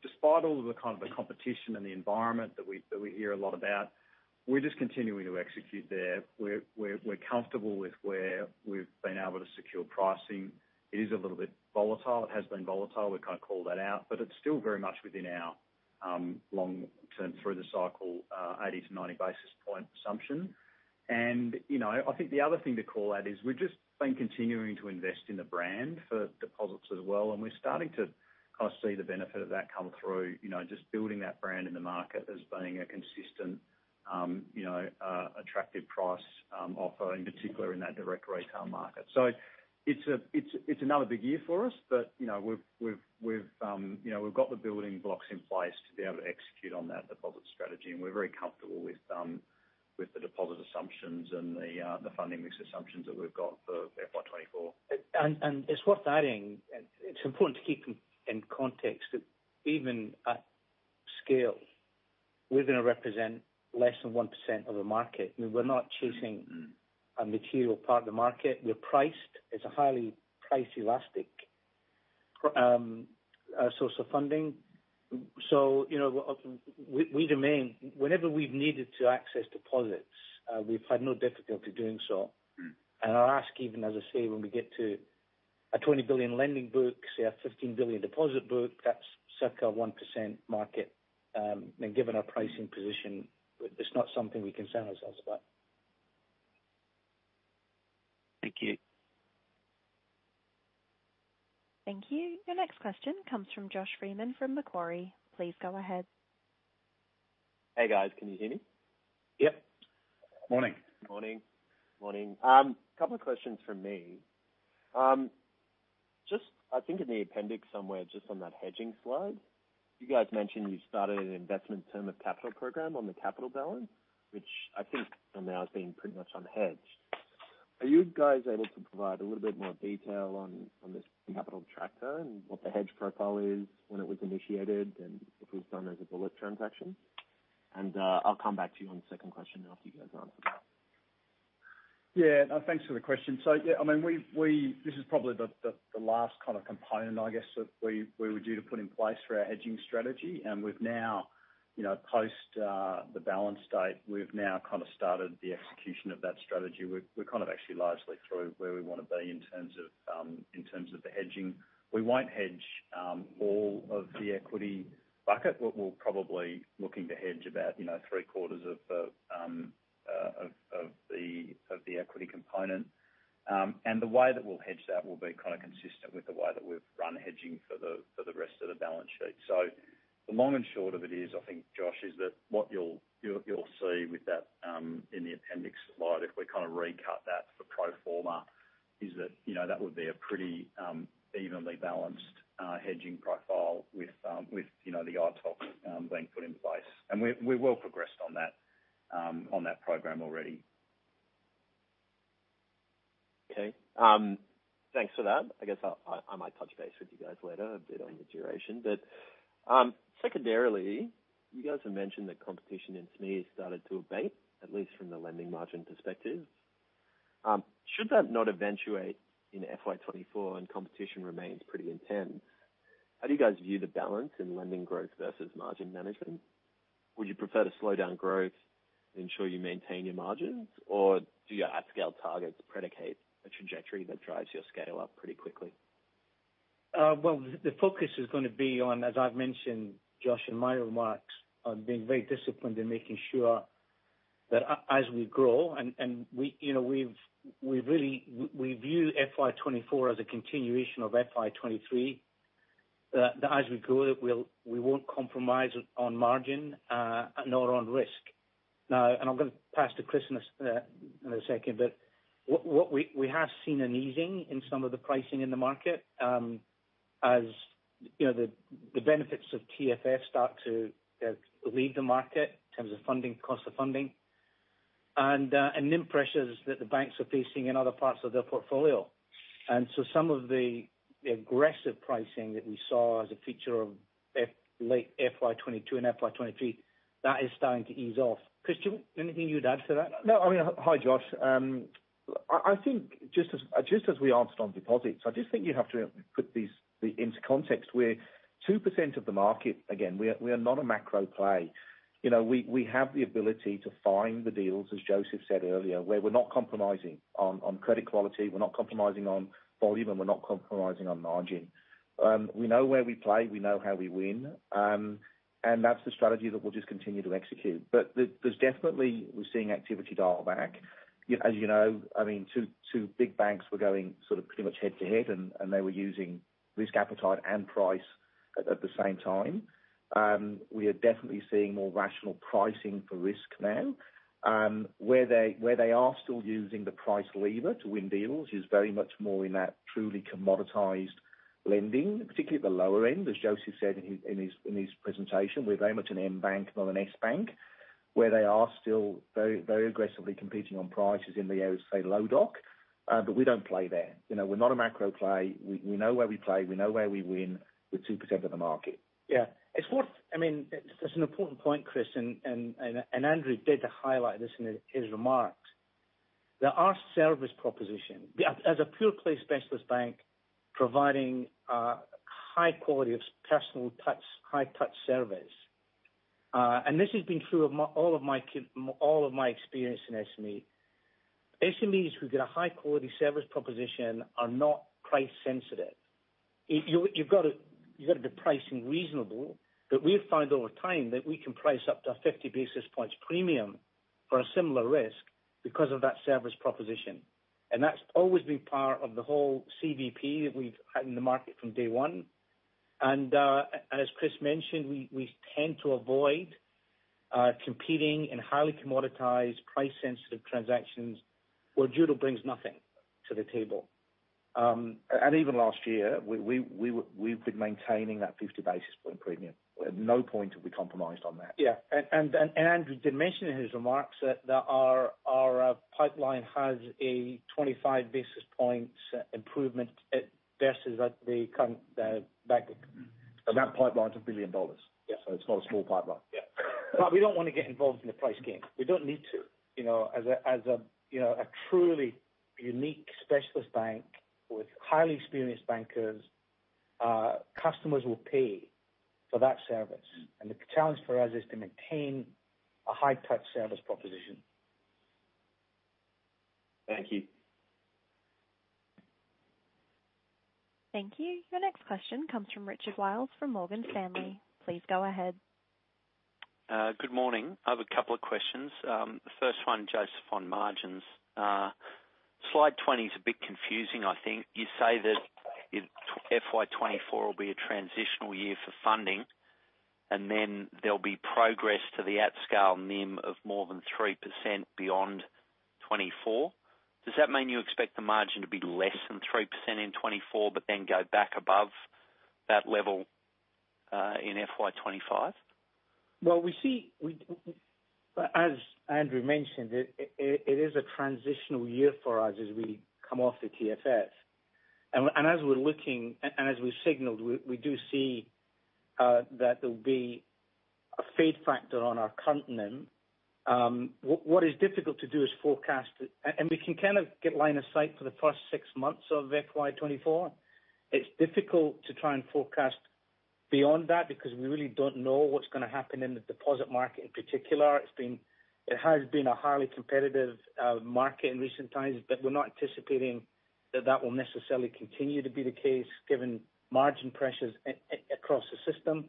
despite all of the kind of competition and the environment that we hear a lot about, we're just continuing to execute there. We're comfortable with where we've been able to secure pricing. It is a little bit volatile. It has been volatile. We've kind of called that out, but it's still very much within our long-term, through the cycle, 80-90 basis point assumption. I think the other thing to call out is we've just been continuing to invest in the brand for deposits as well, and we're starting to kind of see the benefit of that come through. You know, just building that brand in the market as being a consistent, you know, attractive price offer, in particular in that direct retail market. It's another big year for us, but you know we've got the building blocks in place to be able to execute on that deposit strategy, and we're very comfortable with the deposit assumptions and the funding mix assumptions that we've got for FY 2024. It's worth adding, and it's important to keep in context that even at scale, we're going to represent less than 1% of the market. We're not chasing a material part of the market. We're priced as a highly price elastic source of funding, so whenever we've needed to access deposits, we've had no difficulty doing so. Mm-hmm. I'll ask, even as I say, when we get to a 20 billion lending book, say, a 15 billion deposit book, that's circa 1% market. And given our pricing position, it's not something we concern ourselves about. Thank you. Thank you. Your next question comes from Josh Freeman from Macquarie. Please go ahead. Hey, guys. Can you hear me? Yep. Morning. Morning, morning. Couple of questions from me. Just I think in the appendix somewhere, just on that hedging slide, you guys mentioned you started an Investment Term of Capital program on the capital balance, which I think now has been pretty much unhedged. Are you guys able to provide a little bit more detail on this capital tracker and what the hedge profile is, when it was initiated, and if it was done as a bullet transaction? I'll come back to you on the second question after you guys answer that. Yeah. Thanks for the question. Yeah this is probably the last kind of component that we would do to put in place for our hedging strategy. We've now, you know, post the balance date, we've now kind of started the execution of that strategy. We're kind of actually largely through where we want to be in terms of the hedging. We won't hedge all of the equity bucket, but we'll probably looking to hedge about, you know, three quarters of the equity component, and the way that we'll hedge that will be kind of consistent with the way that we've run hedging for the rest of the balance sheet. The long and short of it is, I think, Josh, is that what you'll see with that, in the appendix slide, if we kind of recut that for pro forma, is that, you know, that would be a pretty, evenly balanced, hedging profile with, you know, the OTC, being put in place. We're well progressed on that, on that program already. Okay. Thanks for that. I guess I might touch base with you guys later a bit on the duration, but secondarily, you guys have mentioned that competition in SME has started to abate, at least from the lending margin perspective. Should that not eventuate in FY 2024 and competition remains pretty intense, how do you guys view the balance in lending growth versus margin management? Would you prefer to slow down growth to ensure you maintain your margins, or do your at-scale targets predicate a trajectory that drives your scale up pretty quickly? Well, the focus is going to be on, as I've mentioned, Josh, in my remarks, on being very disciplined in making sure that as we grow and we, you know, we've we really, we view FY 2024 as a continuation of FY 2023, that as we grow, we'll, we won't compromise on margin, nor on risk. Now, and I'm going to pass to Chris in a second, but what we have seen an easing in some of the pricing in the market, as you know, the benefits of TFF start to leave the market in terms of funding, cost of funding, and NIM pressures that the banks are facing in other parts of their portfolio. Some of the aggressive pricing that we saw as a feature of late FY 22 and FY 23, that is starting to ease off. Chris, anything you'd add to that? No, Hi, Josh. I think just as we answered on deposits, I just think you have to put these into context. We're 2% of the market. Again, we are not a macro play. You know, we have the ability to find the deals, as Joseph said earlier, where we're not compromising on credit quality, we're not compromising on volume, and we're not compromising on margin. We know where we play, we know how we win, and that's the strategy that we'll just continue to execute. But, there's definitely, we're seeing activity dial back. As you know, I mean, two big banks were going sort of pretty much head to head, and they were using risk appetite and price at the same time. We are definitely seeing more rational pricing for risk now. Where they are still using the price lever to win deals is very much more in that truly commoditized lending, particularly at the lower end. As Joseph said in his presentation, we're very much an M bank not an S bank where they are still very, very aggressively competing on prices in the, say, Low Doc, but we don't play there. You know, we're not a macro play. We know where we play, we know where we win with 2% of the market. Yeah. It's what, I mean, it's an important point, Chris, and Andrew did highlight this in his remarks. There's a service proposition. As a pure play specialist bank, providing high quality of personal touch, high touch service, and this has been true of all of my experience in SME. SMEs who get a high quality service proposition are not price sensitive. You've got to be pricing reasonable, but we've found over time that we can price up to a 50 basis points premium for a similar risk because of that service proposition, and that's always been part of the whole CVP that we've had in the market from day one. And, as Chris mentioned, we tend to avoid competing in highly commoditized, price-sensitive transactions where Judo brings nothing to the table. Even last year, we've been maintaining that 50 basis points premium. At no point have we compromised on that. Yeah. Andrew did mention in his remarks that our pipeline has a 25 basis points improvement versus the current bank. That pipeline's 1 billion dollars. Yeah. It's not a small pipeline. Yeah. We don't want to get involved in the price game. We don't need to, you know, as a truly unique specialist bank with highly experienced bankers, customers will pay for that service. Mm-hmm. The challenge for us is to maintain a high touch service proposition. Thank you. Thank you. Your next question comes from Richard Wiles, from Morgan Stanley. Please go ahead. Good morning. I have a couple of questions. The first one, Joseph, on margins. Slide 20 is a bit confusing, I think. You say that in FY 2024 will be a transitional year for funding, and then there'll be progress to the at scale NIM of more than 3% beyond 2024. Does that mean you expect the margin to be less than 3% in 2024, but then go back above that level in FY 2025? Well, we see, we, as Andrew mentioned, it is a transitional year for us as we come off the TFF, and as we're looking, and as we signaled, we do see that there'll be a fade factor on our current NIM. What is difficult to do is forecast. We can kind of get line of sight for the first six months of FY 2024. It's difficult to try and forecast beyond that, because we really don't know what's going to happen in the deposit market in particular. It's been. It has been a highly competitive market in recent times, but we're not anticipating that that will necessarily continue to be the case, given margin pressures across the system.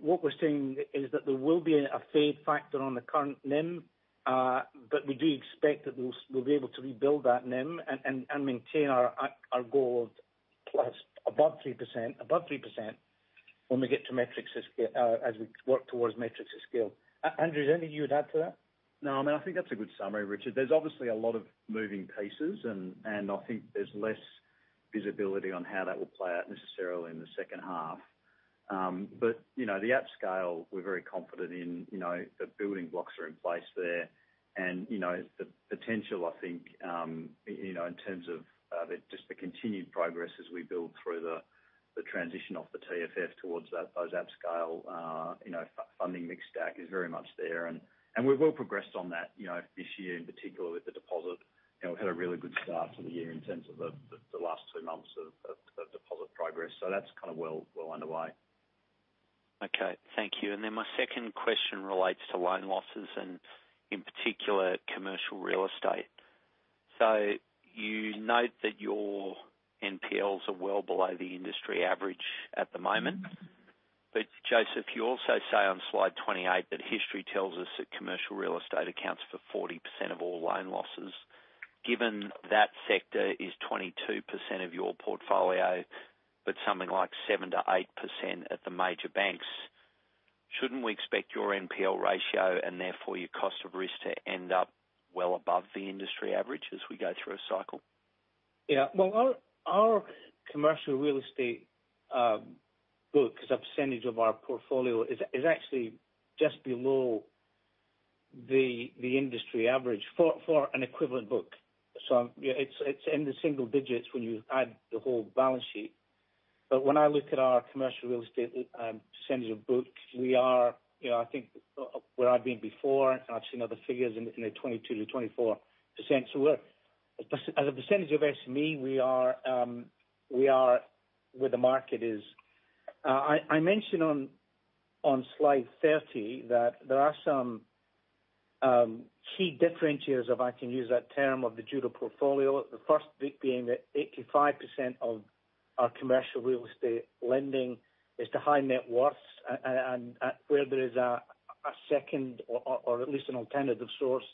What we're seeing is that there will be a fade factor on the current NIM, but we do expect that we'll be able to rebuild that NIM and maintain our goal of plus above 3%, above 3% when we get to Metrics at Scale, as we work towards Metrics at Scale. Andrew, is there anything you would add to that? No, I mean, I think that's a good summary, Richard. There's obviously a lot of moving pieces and, and I think there's less visibility on how that will play out necessarily in the second half. But, you know, the at scale, we're very confident in, you know, the building blocks are in place there. The potential, I think, you know, in terms of, the, just the continued progress as we build through the transition off the TFF towards that, those at scale, you know, funding mix stack is very much there. We've well progressed on that, you know, this year, in particular with the deposit. You know, we've had a really good start to the year in terms of the last two months of deposit progress, so that's kind of well underway. Okay. Thank you. Then my second question relates to loan losses and, in particular, commercial real estate, so you note that your NPLs are well below the industry average at the moment. Joseph, you also say on slide 28, that history tells us that commercial real estate accounts for 40% of all loan losses. Given that sector is 22% of your portfolio, but something like 7%-8% at the major banks, shouldn't we expect your NPL ratio, and therefore, your cost of risk, to end up well above the industry average as we go through a cycle? Yeah. Well, our commercial real estate book, as a percentage of our portfolio, is actually just below the industry average for an equivalent book, so it's in the single digits when you add the whole balance sheet. When I look at our commercial real estate percentage of book, we are, you know, I think where I've been before, and I've seen other figures in the 22%-24%, so we're, as a percentage of SME, we are where the market is. I mentioned on slide 30, that there are some key differentiators, if I can use that term, of the Judo portfolio. The first big being that 85% of our commercial real estate lending is to high net worth, and where there is a second or at least an alternative source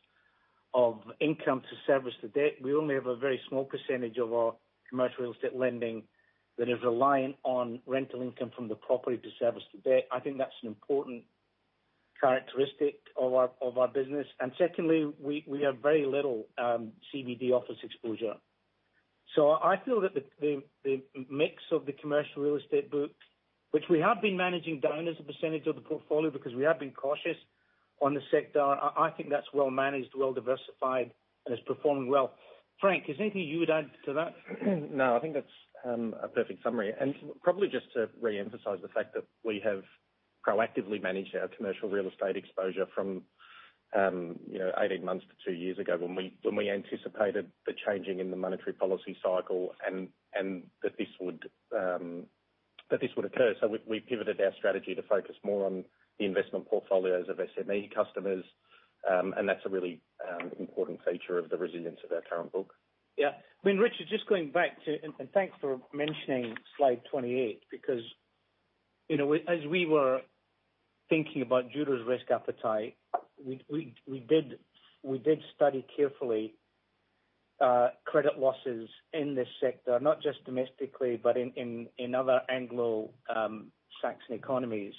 of income to service the debt. We only have a very small percentage of our commercial real estate lending that is reliant on rental income from the property to service the debt. I think that's an important characteristic of our business, and secondly, we have very little CBD office exposure. I feel that the mix of the commercial real estate book, which we have been managing down as a percentage of the portfolio because we have been cautious on the sector, I think that's well managed, well diversified, and is performing well. Frank, is there anything you would add to that? No, I think that's a perfect summary, and probably just to reemphasize the fact that we have proactively managed our commercial real estate exposure from, you know, 18 months to 2 years ago when we anticipated the changing in the monetary policy cycle, and that this would occur. We pivoted our strategy to focus more on the investment portfolios of SME customers, and that's a really important feature of the resilience of our current book. Yeah. I mean, Richard, just going back to—and thanks for mentioning slide 28, because, you know, we—as we were thinking about Judo's risk appetite, we did study carefully credit losses in this sector, not just domestically, but in other Anglo-Saxon economies.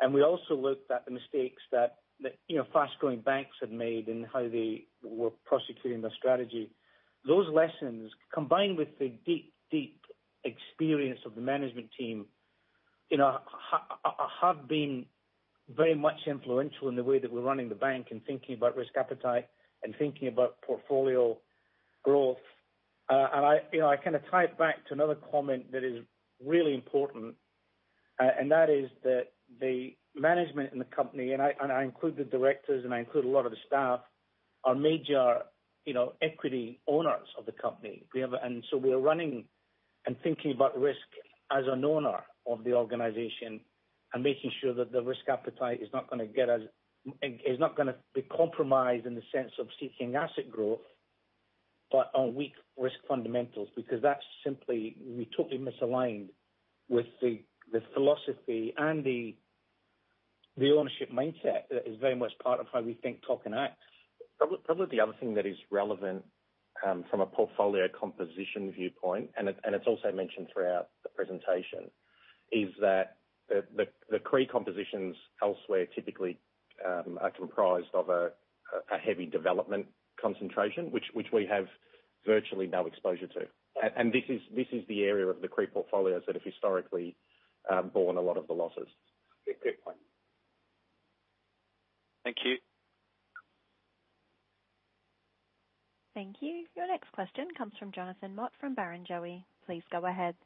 And we also looked at the mistakes that you know fast-growing banks had made and how they were prosecuting their strategy. Those lessons, combined with the deep experience of the management team, you know, have been very much influential in the way that we're running the bank and thinking about risk appetite and thinking about portfolio growth. I kind of tie it back to another comment that is really important, and that is that the management in the company, and I, and I include the directors, and I include a lot of the staff, are major, you know, equity owners of the company. We have and so we are running and thinking about risk as an owner of the organization and making sure that the risk appetite is not gonna be compromised in the sense of seeking asset growth, but on weak risk fundamentals, because that's simply totally misaligned with the, the philosophy and the, the ownership mindset that is very much part of how we think, talk, and act. Probably the other thing that is relevant, from a portfolio composition viewpoint, and it, and it's also mentioned throughout the presentation, is that the CRE compositions elsewhere typically are comprised of a heavy development concentration, which we have virtually no exposure to. And this is the area of the CRE portfolios that have historically borne a lot of the losses. Good, good point. Thank you. Thank you. Your next question comes from Jonathan Mott, from Barrenjoey. Please go ahead.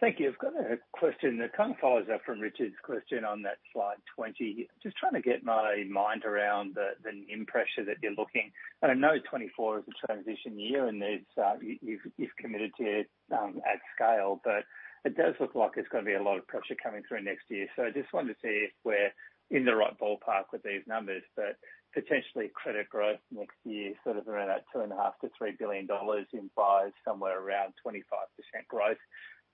Thank you. I've got a question that kind of follows up from Richard's question on that slide 20. Just trying to get my mind around the NIM pressure that you're looking, and I know 2024 is a transition year, and it's you've committed to it at scale, but it does look like there's gonna be a lot of pressure coming through next year. I just wanted to see if we're in the right ballpark with these numbers, but potentially, credit growth next year, sort of around that 2.5 billion-3 billion dollars, implies somewhere around 25% growth,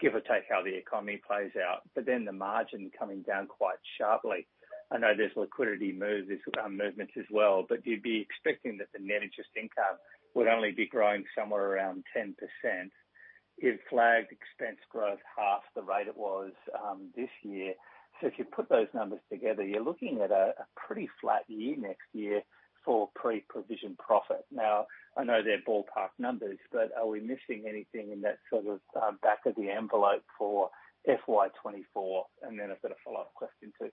give or take, how the economy plays out. Then the margin coming down quite sharply. I know there's liquidity moves, there's movements as well, but you'd be expecting that the net interest income would only be growing somewhere around 10%. You've flagged expense growth half the rate it was this year, so if you put those numbers together, you're looking at a pretty flat year next year for pre-provision profit. Now, I know they're ballpark numbers, but are we missing anything in that sort of back of the envelope for FY 2024? Then I've got a follow-up question, too.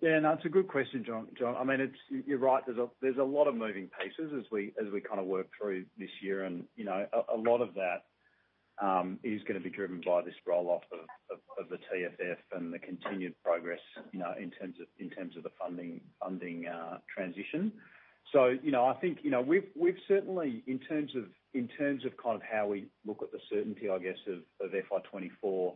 Yeah, no, it's a good question, Jonathan. I mean, it's-- you're right. There's a lot of moving pieces as we work through this year, and, you know, a lot of that is gonna be driven by this roll-off of the TFF and the continued progress, you know, in terms of the funding transition. I think, you know, we've certainly, in terms of kind of how we look at the certainty, I guess, of FY 2024,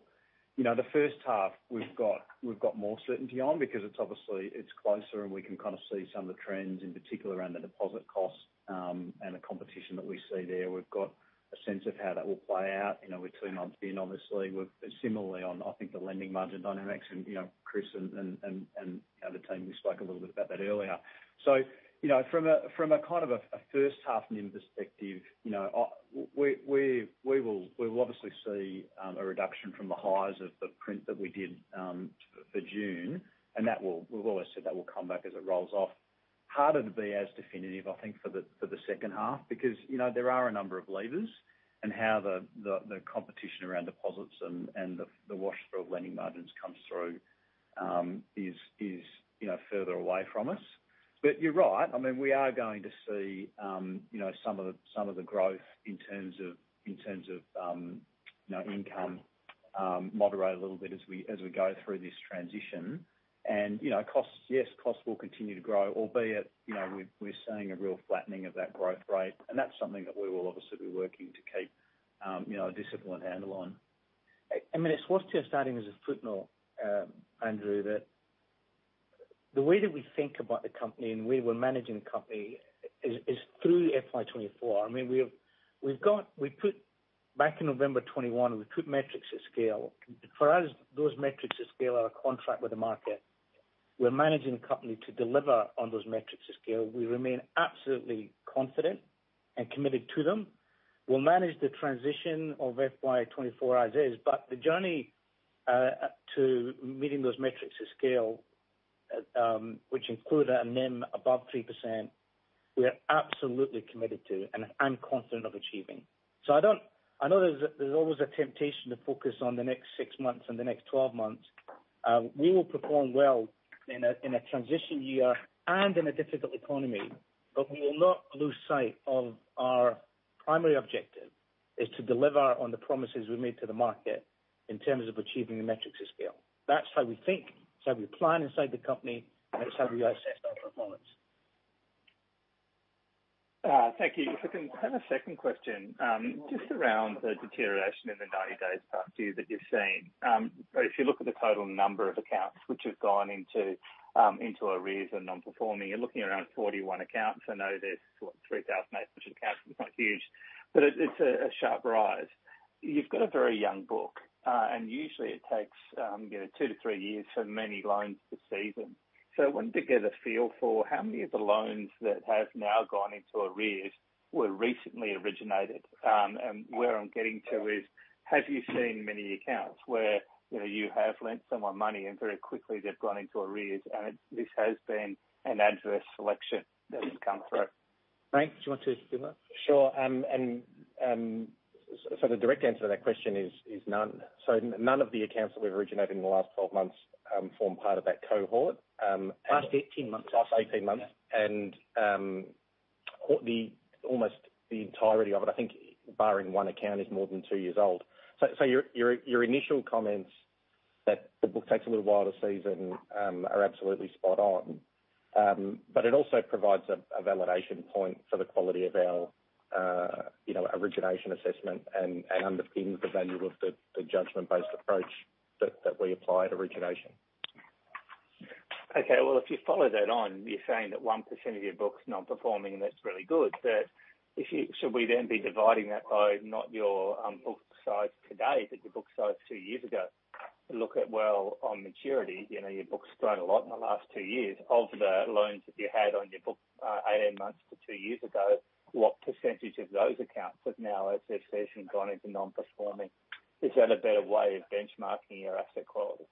you know, the first half, we've got more certainty on because it's obviously, it's closer, and we can kind of see some of the trends, in particular, around the deposit costs and the competition that we see there. We've got a sense of how that will play out, you know, we're two months in, obviously. We're similarly on, I think, the lending margin dynamics and, you know, Chris and the team, we spoke a little bit about that earlier. From a kind of a first half NIM perspective, you know, we will obviously see a reduction from the highs of the print that we did for June, and that will. We've always said that will come back as it rolls off. Harder to be as definitive, I think, for the second half, because, you know, there are a number of levers and how the competition around deposits and the wash through of lending margins comes through is further away from us. You're right. I mean, we are going to see, you know, some of the growth in terms of income moderate a little bit as we go through this transition. And, you know, costs, yes, costs will continue to grow, albeit, you know, we're seeing a real flattening of that growth rate, and that's something that we will obviously be working to keep, you know, a disciplined handle on. I mean, it's worth just adding as a footnote, Andrew, that the way that we think about the company and the way we're managing the company is through FY 24. I mean, we've got. Back in November 2021, we put metrics at scale. For us, those metrics at scale are a contract with the market. We're managing the company to deliver on those metrics at scale. We remain absolutely confident and committed to them. We'll manage the transition of FY 24 as is, but the journey to meeting those metrics to scale which include a NIM above 3%, we are absolutely committed to and I'm confident of achieving. So I know there's always a temptation to focus on the next six months and the next twelve months. We will perform well in a transition year and in a difficult economy, but we will not lose sight of our primary objective is to deliver on the promises we made to the market in terms of achieving the metrics we scale. That's how we think, that's how we plan inside the company, and that's how we assess our performance. Thank you. If I can have a second question, just around the deterioration in the 90-days past due that you've seen. But if you look at the total number of accounts which have gone into arrears and non-performing, you're looking around 41 accounts. I know there's, what? 3,800 accounts, it's quite huge, but it's a sharp rise. You've got a very young book, and usually, it takes, you know, 2-3 years for many loans to season. So I wanted to get a feel for how many of the loans that have now gone into arrears were recently originated. And where I'm getting to is, have you seen many accounts where, you know, you have lent someone money, and very quickly, they've gone into arrears, and this has been an adverse selection that has come through? Frank, do you want to do that? Sure. The direct answer to that question is none. None of the accounts that we've originated in the last twelve months form part of that cohort, and- Last 18 months. Last 18 months. Yeah. The almost entirety of it, I think, barring one account, is more than two years old. So your initial comments that the book takes a little while to season are absolutely spot on. But it also provides a validation point for the quality of our, you know, origination assessment and underpins the value of the judgment-based approach that we apply at origination. Okay. Well, if you follow that on, you're saying that 1% of your book's non-performing, and that's really good, but should we then be dividing that by not your book size today, but your book size two years ago, to look at, well, on maturity? You know, your book's grown a lot in the last two years. Of the loans that you had on your book, 18 months to two years ago, what percentage of those accounts have now, as I said, gone into non-performing? Is that a better way of benchmarking your asset quality?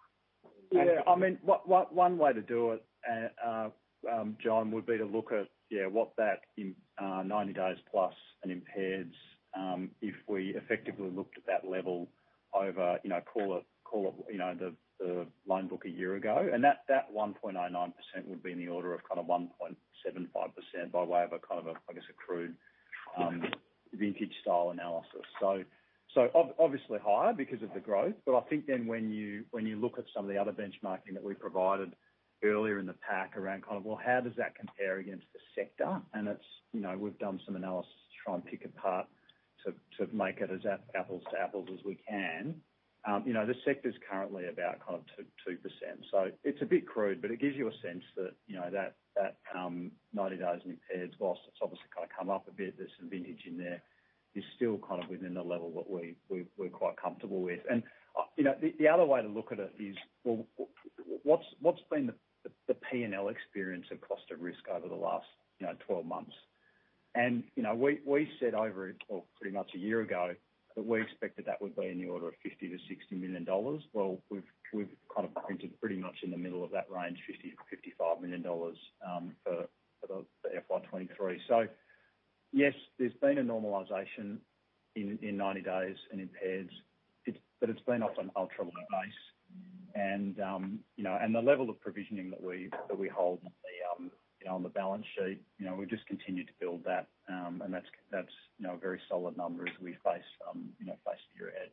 Yeah. I mean, one way to do it, John, would be to look at what that 90 days plus and impaired, if we effectively looked at that level over, you know, call it the loan book a year ago. And that 1.99% would be in the order of kind of 1.75%, by way of a kind of a, I guess, a crude vintage style analysis. So obviously higher because of the growth. But I think then when you look at some of the other benchmarking that we provided earlier in the pack around kind of, well, how does that compare against the sector? It's, you know, we've done some analysis to try and pick apart, to make it as app- apples to apples as we can. You know, the sector's currently about kind of 2-2%, so it's a bit crude, but it gives you a sense that, you know, that, that 90 days in impaired, while it's obviously kind of come up a bit, there's some vintage in there, is still kind of within the level that we, we're quite comfortable with. And, you know, the other way to look at it is, well, what's been the P&L experience and cost of risk over the last, you know, 12 months? And, you know, we said over, well, pretty much a year ago, that we expected that would be in the order of 50 million-60 million dollars. Well, we've kind of printed pretty much in the middle of that range, 50 million-55 million dollars, for the FY 2023. So yes, there's been a normalization in 90 days and impairments, but it's been off an ultra low base. And you know, and the level of provisioning that we hold on the balance sheet, you know, we just continue to build that. And that's you know, a very solid number as we face year ahead.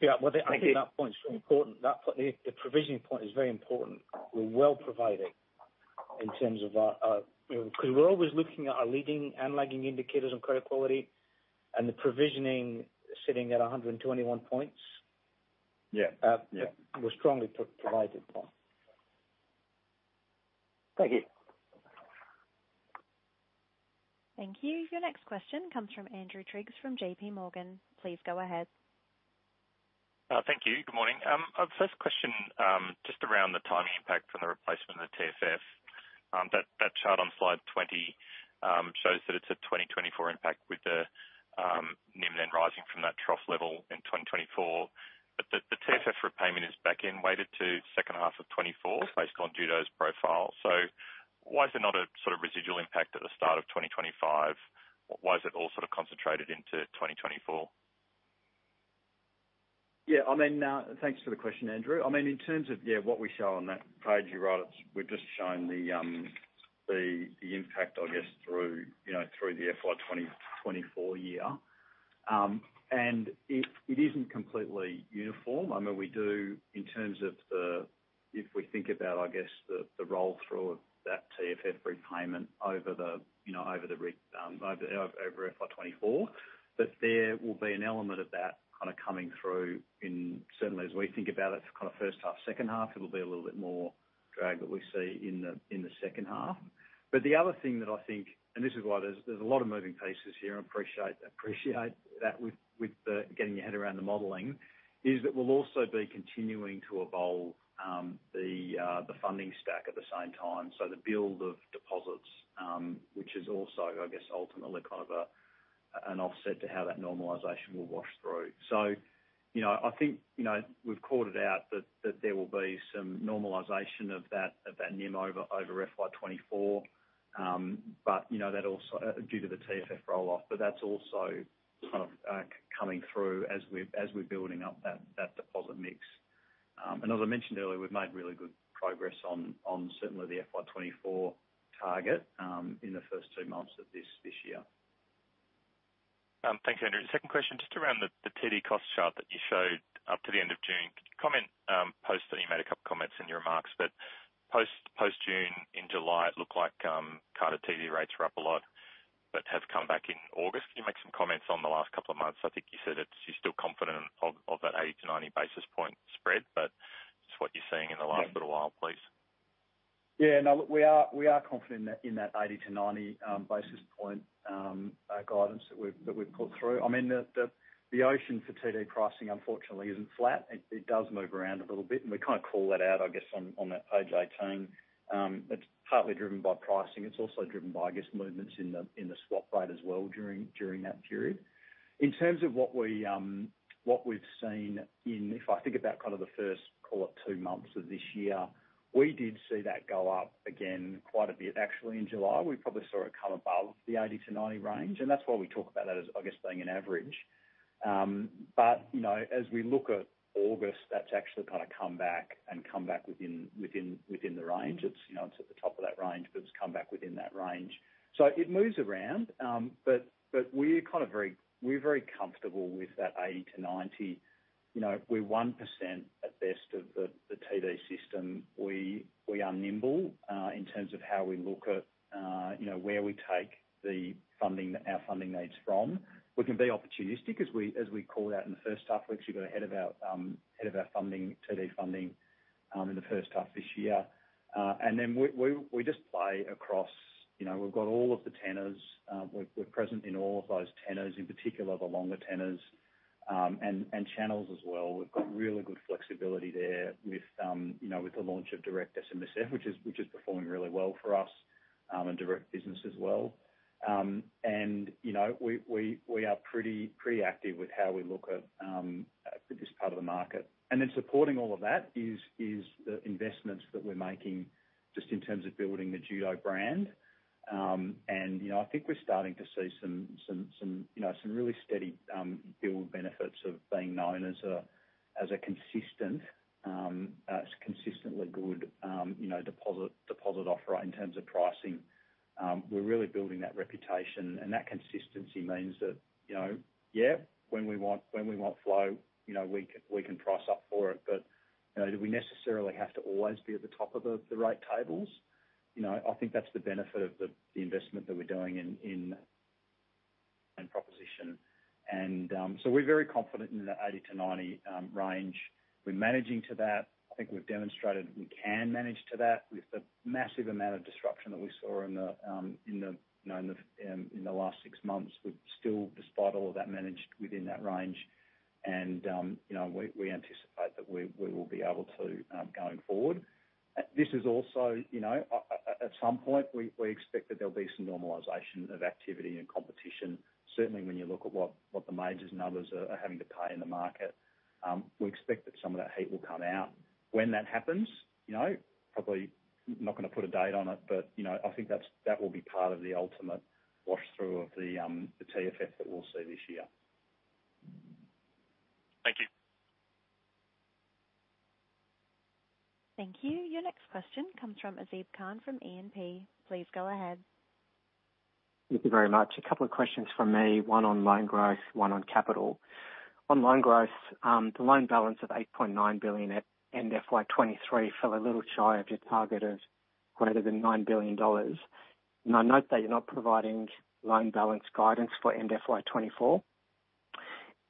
Yeah. Well, I think that point is very important. That point, the, the provisioning point is very important. We're well provided in terms of our, you know, because we're always looking at our leading and lagging indicators on credit quality, and the provisioning sitting at 121 points. Yeah. Yeah, we're strongly provided well. Thank you. Thank you. Your next question comes from Andrew Triggs, from JP Morgan. Please go ahead. Thank you. Good morning. Our first question, just around the timing impact from the replacement of the TFF. That chart on slide 20 shows that it's a 2024 impact with the NIM then rising from that trough level in 2024. But the TFF repayment is back-ended weighted to second half of 2024, based on Judo's profile. So why is there not a sort of residual impact at the start of 2025? Why is it all sort of concentrated into 2024? Yeah, I mean, thanks for the question, Andrew. I mean, in terms of, yeah, what we show on that page, you're right, it's, we've just shown the impact I guess through, you know, through the FY 2024 year, and it isn't completely uniform. I mean, we do, in terms of the... If we think about, I guess, the roll-through of that TFF repayment over the, you know, over the year, over FY 2024. But there will be an element of that kind of coming through in, certainly as we think about it, kind of first half, second half, it'll be a little bit more drag that we see in the second half. The other thing that I think, and this is why there's a lot of moving pieces here, I appreciate that with getting your head around the modeling, is that we'll also be continuing to evolve the funding stack at the same time. So the build of deposits, which is also, I guess, ultimately kind of an offset to how that normalization will wash through. So, you know, I think, you know, we've called it out, that there will be some normalization of that NIM over FY 2024. But, you know, that also due to the TFF roll-off, but that's also kind of coming through as we're building up that deposit mix. As I mentioned earlier, we've made really good progress on certainly the FY24 target, in the first two months of this year. Thanks, Andrew. Second question, just around the TD cost chart that you showed up to the end of June. Could you comment post that you made a couple comments in your remarks, but post-June, in July, it looked like carded TD rates were up a lot but have come back in August. Can you make some comments on the last couple of months? I think you said that you're still confident of that 80-90 basis point spread, but just what you're seeing in the last- Yeah little while, please. Yeah, no, we are confident in that 80-90 basis point guidance that we've put through. I mean, the option for TD pricing, unfortunately, isn't flat. It does move around a little bit, and we kind of call that out, I guess, on that page 18. It's partly driven by pricing. It's also driven by, I guess, movements in the swap rate as well during that period. In terms of what we've seen in… If I think about kind of the first, call it, 2 months of this year, we did see that go up again quite a bit. Actually, in July, we probably saw it come above the 80-90 range, and that's why we talk about that as, I guess, being an average. But, you know, as we look at August, that's actually kind of come back and come back within the range. Mm-hmm. It's, you know, it's at the top of that range, but it's come back within that range, so it moves around, but we're kind of very-- we're very comfortable with that 80-90. You know, we're 1%, at best, of the TD system. We are nimble in terms of how we look at, you know, where we take the funding, our funding needs from. We can be opportunistic as we, as we called out in the first half. We actually got ahead of our, ahead of our funding, TD funding, in the first half of this year. And then we, we just play across-- You know, we've got all of the tenors. We're present in all of those tenors, in particular, the longer tenors, and channels as well. We've got really good flexibility there with, you know, with the launch of direct SMSF, which is performing really well for us, and direct business as well. You know, we are pretty active with how we look at this part of the marke, and then supporting all of that is the investments that we're making just in terms of building the Judo brand. You know, I think we're starting to see some really steady build benefits of being known as a consistent, consistently good, you know, deposit offeror in terms of pricing. We're really building that reputation, and that consistency means that when we want flow we can price up for it. Do we necessarily have to always be at the top of the rate tables? I think that's the benefit of the investment that we're doing in and proposition, and so we're very confident in the 80-90 range. We're managing to that. I think we've demonstrated we can manage to that. With the massive amount of disruption that we saw in the, in the, you know, in the last six months, we've still, despite all of that, managed within that range, and you know, we anticipate that we will be able to going forward. This is also, you know, at some point we expect that there'll be some normalization of activity and competition. Certainly, when you look at what the majors and others are having to pay in the market, we expect that some of that heat will come out. When that happens, you know, probably not going to put a date on it, but, you know, I think that's- that will be part of the ultimate wash through of the TFF that we'll see this year. Thank you. Thank you. Your next question comes from Azib Khan, from E&P. Please go ahead. Thank you very much. A couple of questions from me, one on loan growth, one on capital. On loan balance, the loan balance of 8.9 billion at end FY 2023 fell a little shy of your target of greater than 9 billion dollars. I note that you're not providing loan balance guidance for end FY 2024.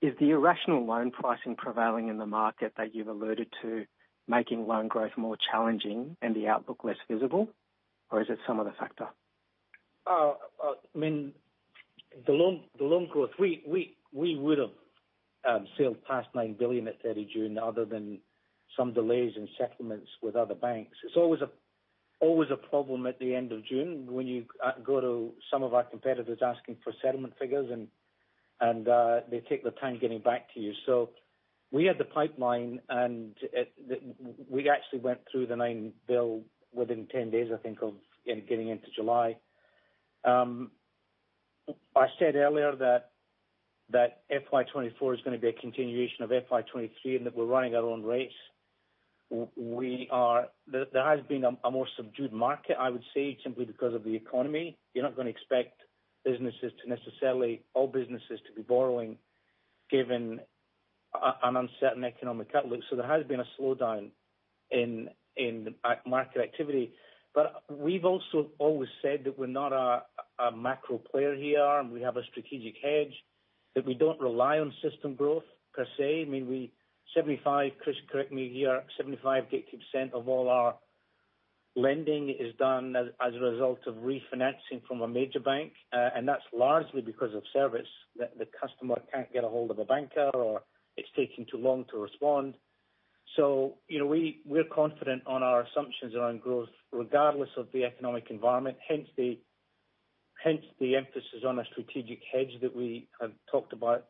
Is the irrational loan pricing prevailing in the market that you've alluded to, making loan growth more challenging and the outlook less visible, or is it some other factor? I mean, the loan growth, we would've sailed past 9 billion at 30 June, other than some delays in settlements with other banks. It's always a problem at the end of June when you go to some of our competitors asking for settlement figures and they take their time getting back to you. So we had the pipeline, and we actually went through the 9 billion within 10 days, I think, of you know, getting into July. I said earlier that FY 2024 is going to be a continuation of FY 2023, and that we're running our own race. We are. There has been a more subdued market, I would say, simply because of the economy. You're not going to expect businesses to necessarily all businesses to be borrowing, given an uncertain economic outlook. So there has been a slowdown in the market activity. But we've also always said that we're not a macro player here, and we have a strategic hedge that we don't rely on system growth per se. I mean, we, 75, Chris, correct me here, 75-80% of all our lending is done as a result of refinancing from a major bank, and that's largely because of service that the customer can't get a hold of a banker or it's taking too long to respond. We, we're confident on our assumptions around growth, regardless of the economic environment. Hence the, hence the emphasis on a strategic hedge that we have talked about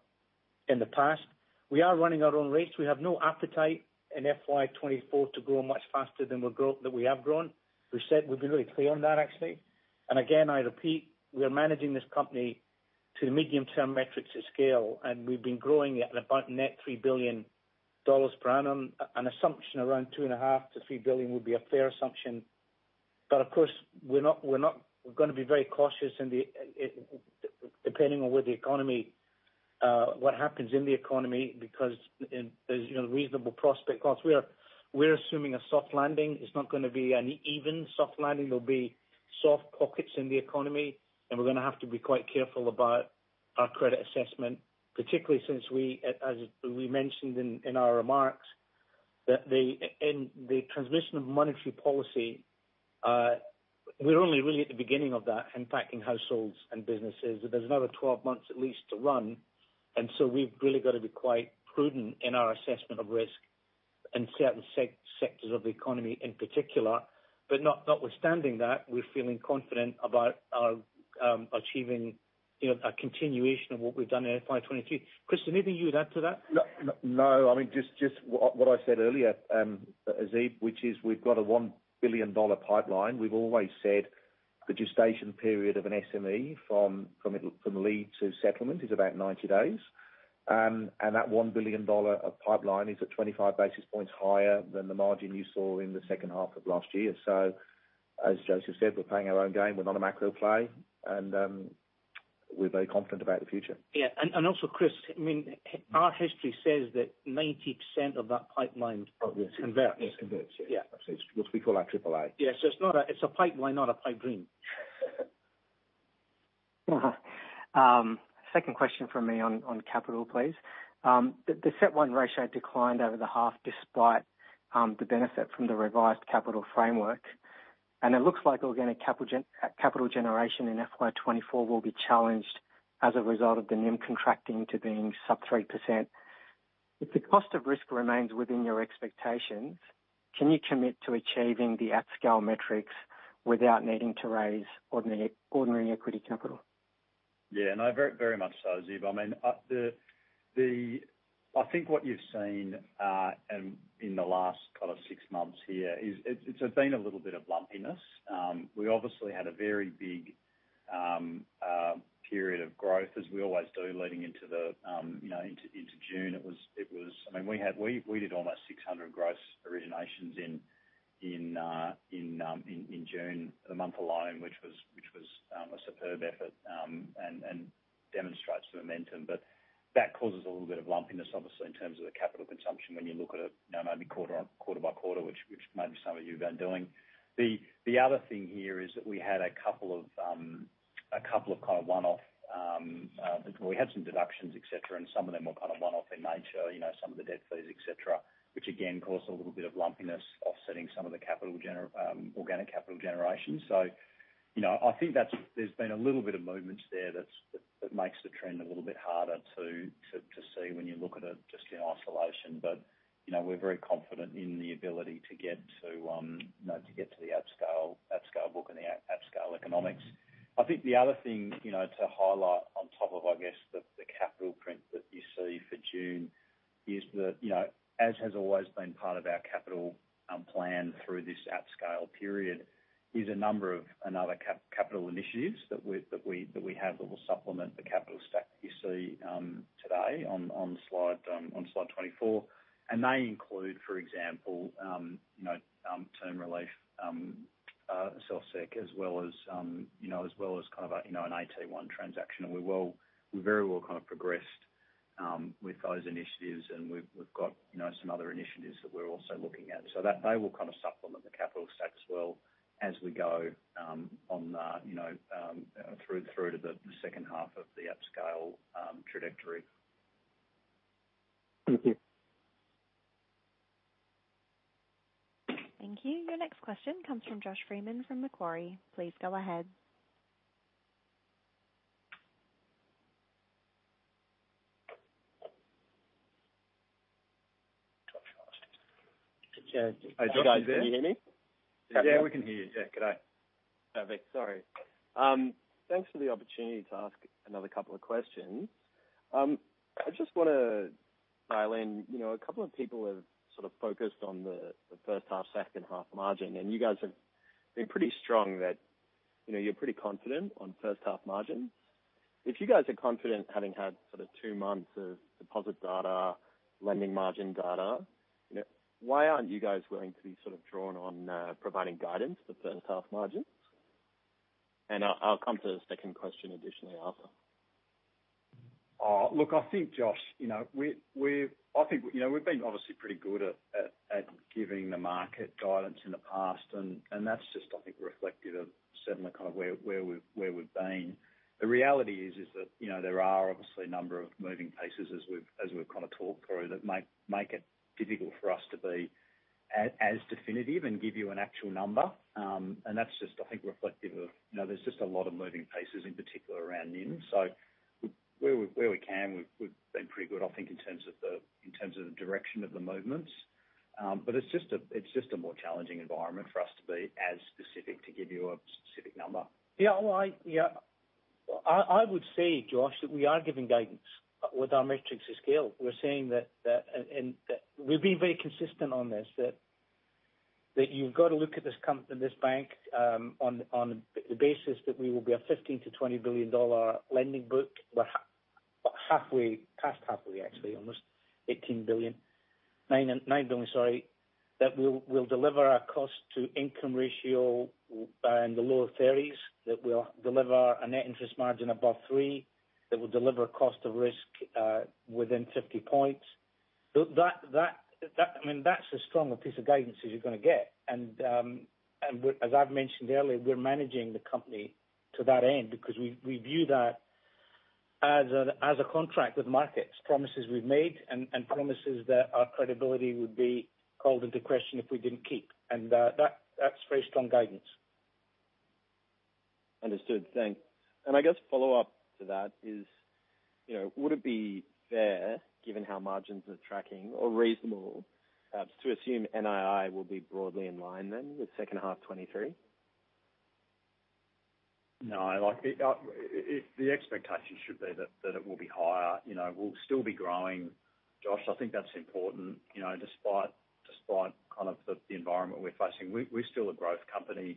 in the past. We are running our own race. We have no appetite in FY 2024 to grow much faster than we're grow-- than we have grown. We've said, we've been really clear on that, actually, and again, I repeat, we are managing this company to the medium-term metrics at scale, and we've been growing it at about net 3 billion dollars per annum. An assumption around 2.5 billion-3 billion would be a fair assumption. Of course, we're not. We're going to be very cautious in the, depending on where the economy, what happens in the economy, because there's, you know, reasonable prospect, because we are, we're assuming a soft landing. It's not going to be an even soft landing. There'll be soft pockets in the economy, and we're going to have to be quite careful about our credit assessment, particularly since we, as we mentioned in our remarks, that, in the transmission of monetary policy, we're only really at the beginning of that, impacting households and businesses. There's another 12 months at least to run, and so we've really got to be quite prudent in our assessment of risk in certain sectors of the economy in particular. Notwithstanding that, we're feeling confident about our achieving, you know, a continuation of what we've done in FY 2023. Chris, anything you'd add to that? No, no. I mean, just what I said earlier, Azeb, which is we've got a 1 billion dollar pipeline. We've always said the gestation period of an SME from lead to settlement is about 90 days. And that 1 billion dollar of pipeline is at 25 basis points higher than the margin you saw in the second half of last year. So as Joseph said, we're playing our own game. We're not a macro play, and we're very confident about the future. Yeah. And also, Chris, I mean, our history says that 90% of that pipeline- Obviously. -converts. It converts, yeah. Yeah. It's what we call our Triple A. Yes. So it's not a... It's a pipeline, not a pipe dream. Second question for me on capital, please. The CET1 ratio declined over the half despite the benefit from the revised capital framework. And it looks like organic capital generation in FY 2024 will be challenged as a result of the NIM contracting to being sub 3%. If the cost of risk remains within your expectations, can you commit to achieving the at-scale metrics without needing to raise ordinary equity capital? Yeah, no, very, very much so, Azeb. I mean, the-- I think what you've seen in the last kind of six months here is it's been a little bit of lumpiness. We obviously had a very big period of growth, as we always do, leading into the you know, into June. It was-- I mean, we had, we did almost 600 gross originations in June, the month alone, which was a superb effort and demonstrates the momentum. But that causes a little bit of lumpiness, obviously, in terms of the capital consumption, when you look at it, you know, maybe quarter on quarter by quarter, which maybe some of you have been doing. The other thing here is that we had a couple of kind of one-off. We had some deductions, et cetera, and some of them were kind of one-off in nature, you know, some of the debt fees, et cetera, which again caused a little bit of lumpiness, offsetting some of the capital generation, organic capital generation. So, you know, I think that's. There's been a little bit of movements there that makes the trend a little bit harder to see when you look at it just in isolation. But, you know, we're very confident in the ability to get to, you know, to get to the at scale book and the at scale economics. I think the other thing, you know, to highlight on top of, I guess, the capital print that you see for June is that, you know, as has always been part of our capital plan through this at scale period, is a number of another capital initiatives that we have, that will supplement the capital stack that you see today on slide 24. And they include, for example, you know, term relief, self-sec, as well as, you know, as well as kind of a, you know, an AT1 transaction. And we're very well progressed with those initiatives, and we've got, you know, some other initiatives that we're also looking at. That they will kind of supplement the capital stack as well, as we go on, you know, through to the second half of the at scale trajectory. Thank you. Thank you. Your next question comes from Josh Freeman from Macquarie. Please go ahead. Josh, are you there? Hey, guys, can you hear me? Yeah, we can hear you. Yeah, good day. Perfect. Sorry. Thanks for the opportunity to ask another couple of questions. I just want to dial in. You know, a couple of people have sort of focused on the first half, second half margin, and you guys have been pretty strong that, you know, you're pretty confident on first half margins. If you guys are confident, having had sort of two months of deposit data, lending margin data, you know, why aren't you guys willing to be sort of drawn on providing guidance for first half margins? I'll come to the second question additionally, after. Look, I think, Josh, you know, we're I think, you know, we've been obviously pretty good at giving the market guidance in the past, and that's just, I think, reflective of certainly kind of where we've been. The reality is that, you know, there are obviously a number of moving pieces as we've kind of talked through, that make it difficult for us to be as definitive and give you an actual number. That's just, I think, reflective of, you know, there's just a lot of moving pieces, in particular around NIM, so where we can, we've been pretty good, I think, in terms of the direction of the movements. It's just a more challenging environment for us to be as specific to give you a specific number. Yeah, well, yeah, I would say, Josh, that we are giving guidance with our metrics to scale. We're saying that and we've been very consistent on this, that you've got to look at this comp- this bank on the basis that we will be an 15 billion-20 billion dollar lending book. We're about halfway, past halfway, actually, almost 18 billion. 9 billion, sorry, that we'll deliver our cost to income ratio in the low 30s, that we'll deliver a net interest margin above 3, that will deliver cost of risk within 50 points. So that I mean, that's as strong a piece of guidance as you're going to get. As I've mentioned earlier, we're managing the company to that end because we view that as a contract with markets, promises we've made, and promises that our credibility would be called into question if we didn't keep. And that's very strong guidance. Understood. Thanks. And I guess follow up to that is, you know, would it be fair, given how margins are tracking or reasonable, to assume NII will be broadly in line then with second half 2023? No, I like it. The expectation should be that it will be higher. You know, we'll still be growing, Josh. I think that's important. You know, despite kind of the environment we're facing, we're still a growth company.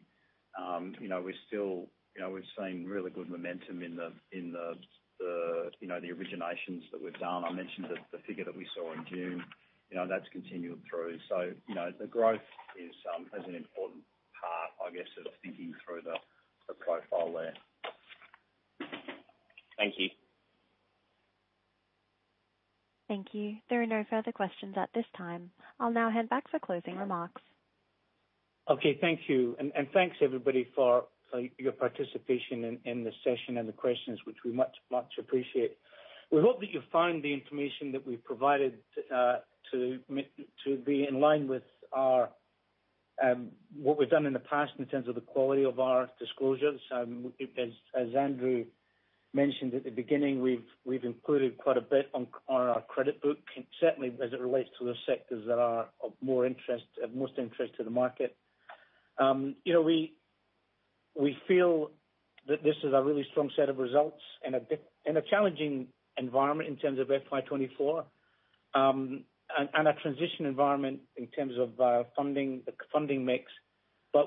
You know, we're still, you know, we've seen really good momentum in the originations that we've done. I mentioned the figure that we saw in June, you know, that's continued through. So, you know, the growth is as an important part, I guess, of thinking through the profile there. Thank you. Thank you. There are no further questions at this time. I'll now head back for closing remarks. Okay. Thank you. And thanks, everybody, for your participation in the session and the questions, which we much appreciate. We hope that you found the information that we've provided to be in line with our what we've done in the past in terms of the quality of our disclosures. As Andrew mentioned at the beginning, we've included quite a bit on our credit book, certainly as it relates to the sectors that are of more interest, of most interest to the market. You know, we feel that this is a really strong set of results in a challenging environment in terms of FY 2024, and a transition environment in terms of funding, the funding mix.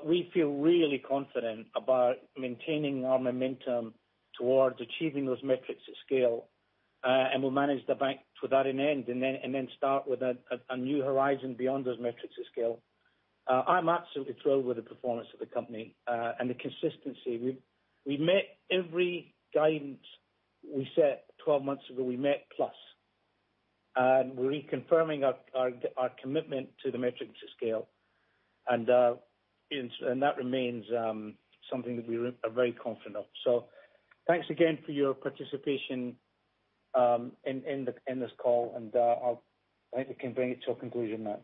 We feel really confident about maintaining our momentum towards achieving those metrics to scale, and we'll manage the bank to that in the end, and then start with a new horizon beyond those metrics to scale. I'm absolutely thrilled with the performance of the company, and the consistency. We met every guidance we set 12 months ago, we met plus, and we're reconfirming our commitment to the metrics to scale, and that remains something that we are very confident of. So thanks again for your participation in this call, and, I'll. I think we can bring it to a conclusion now.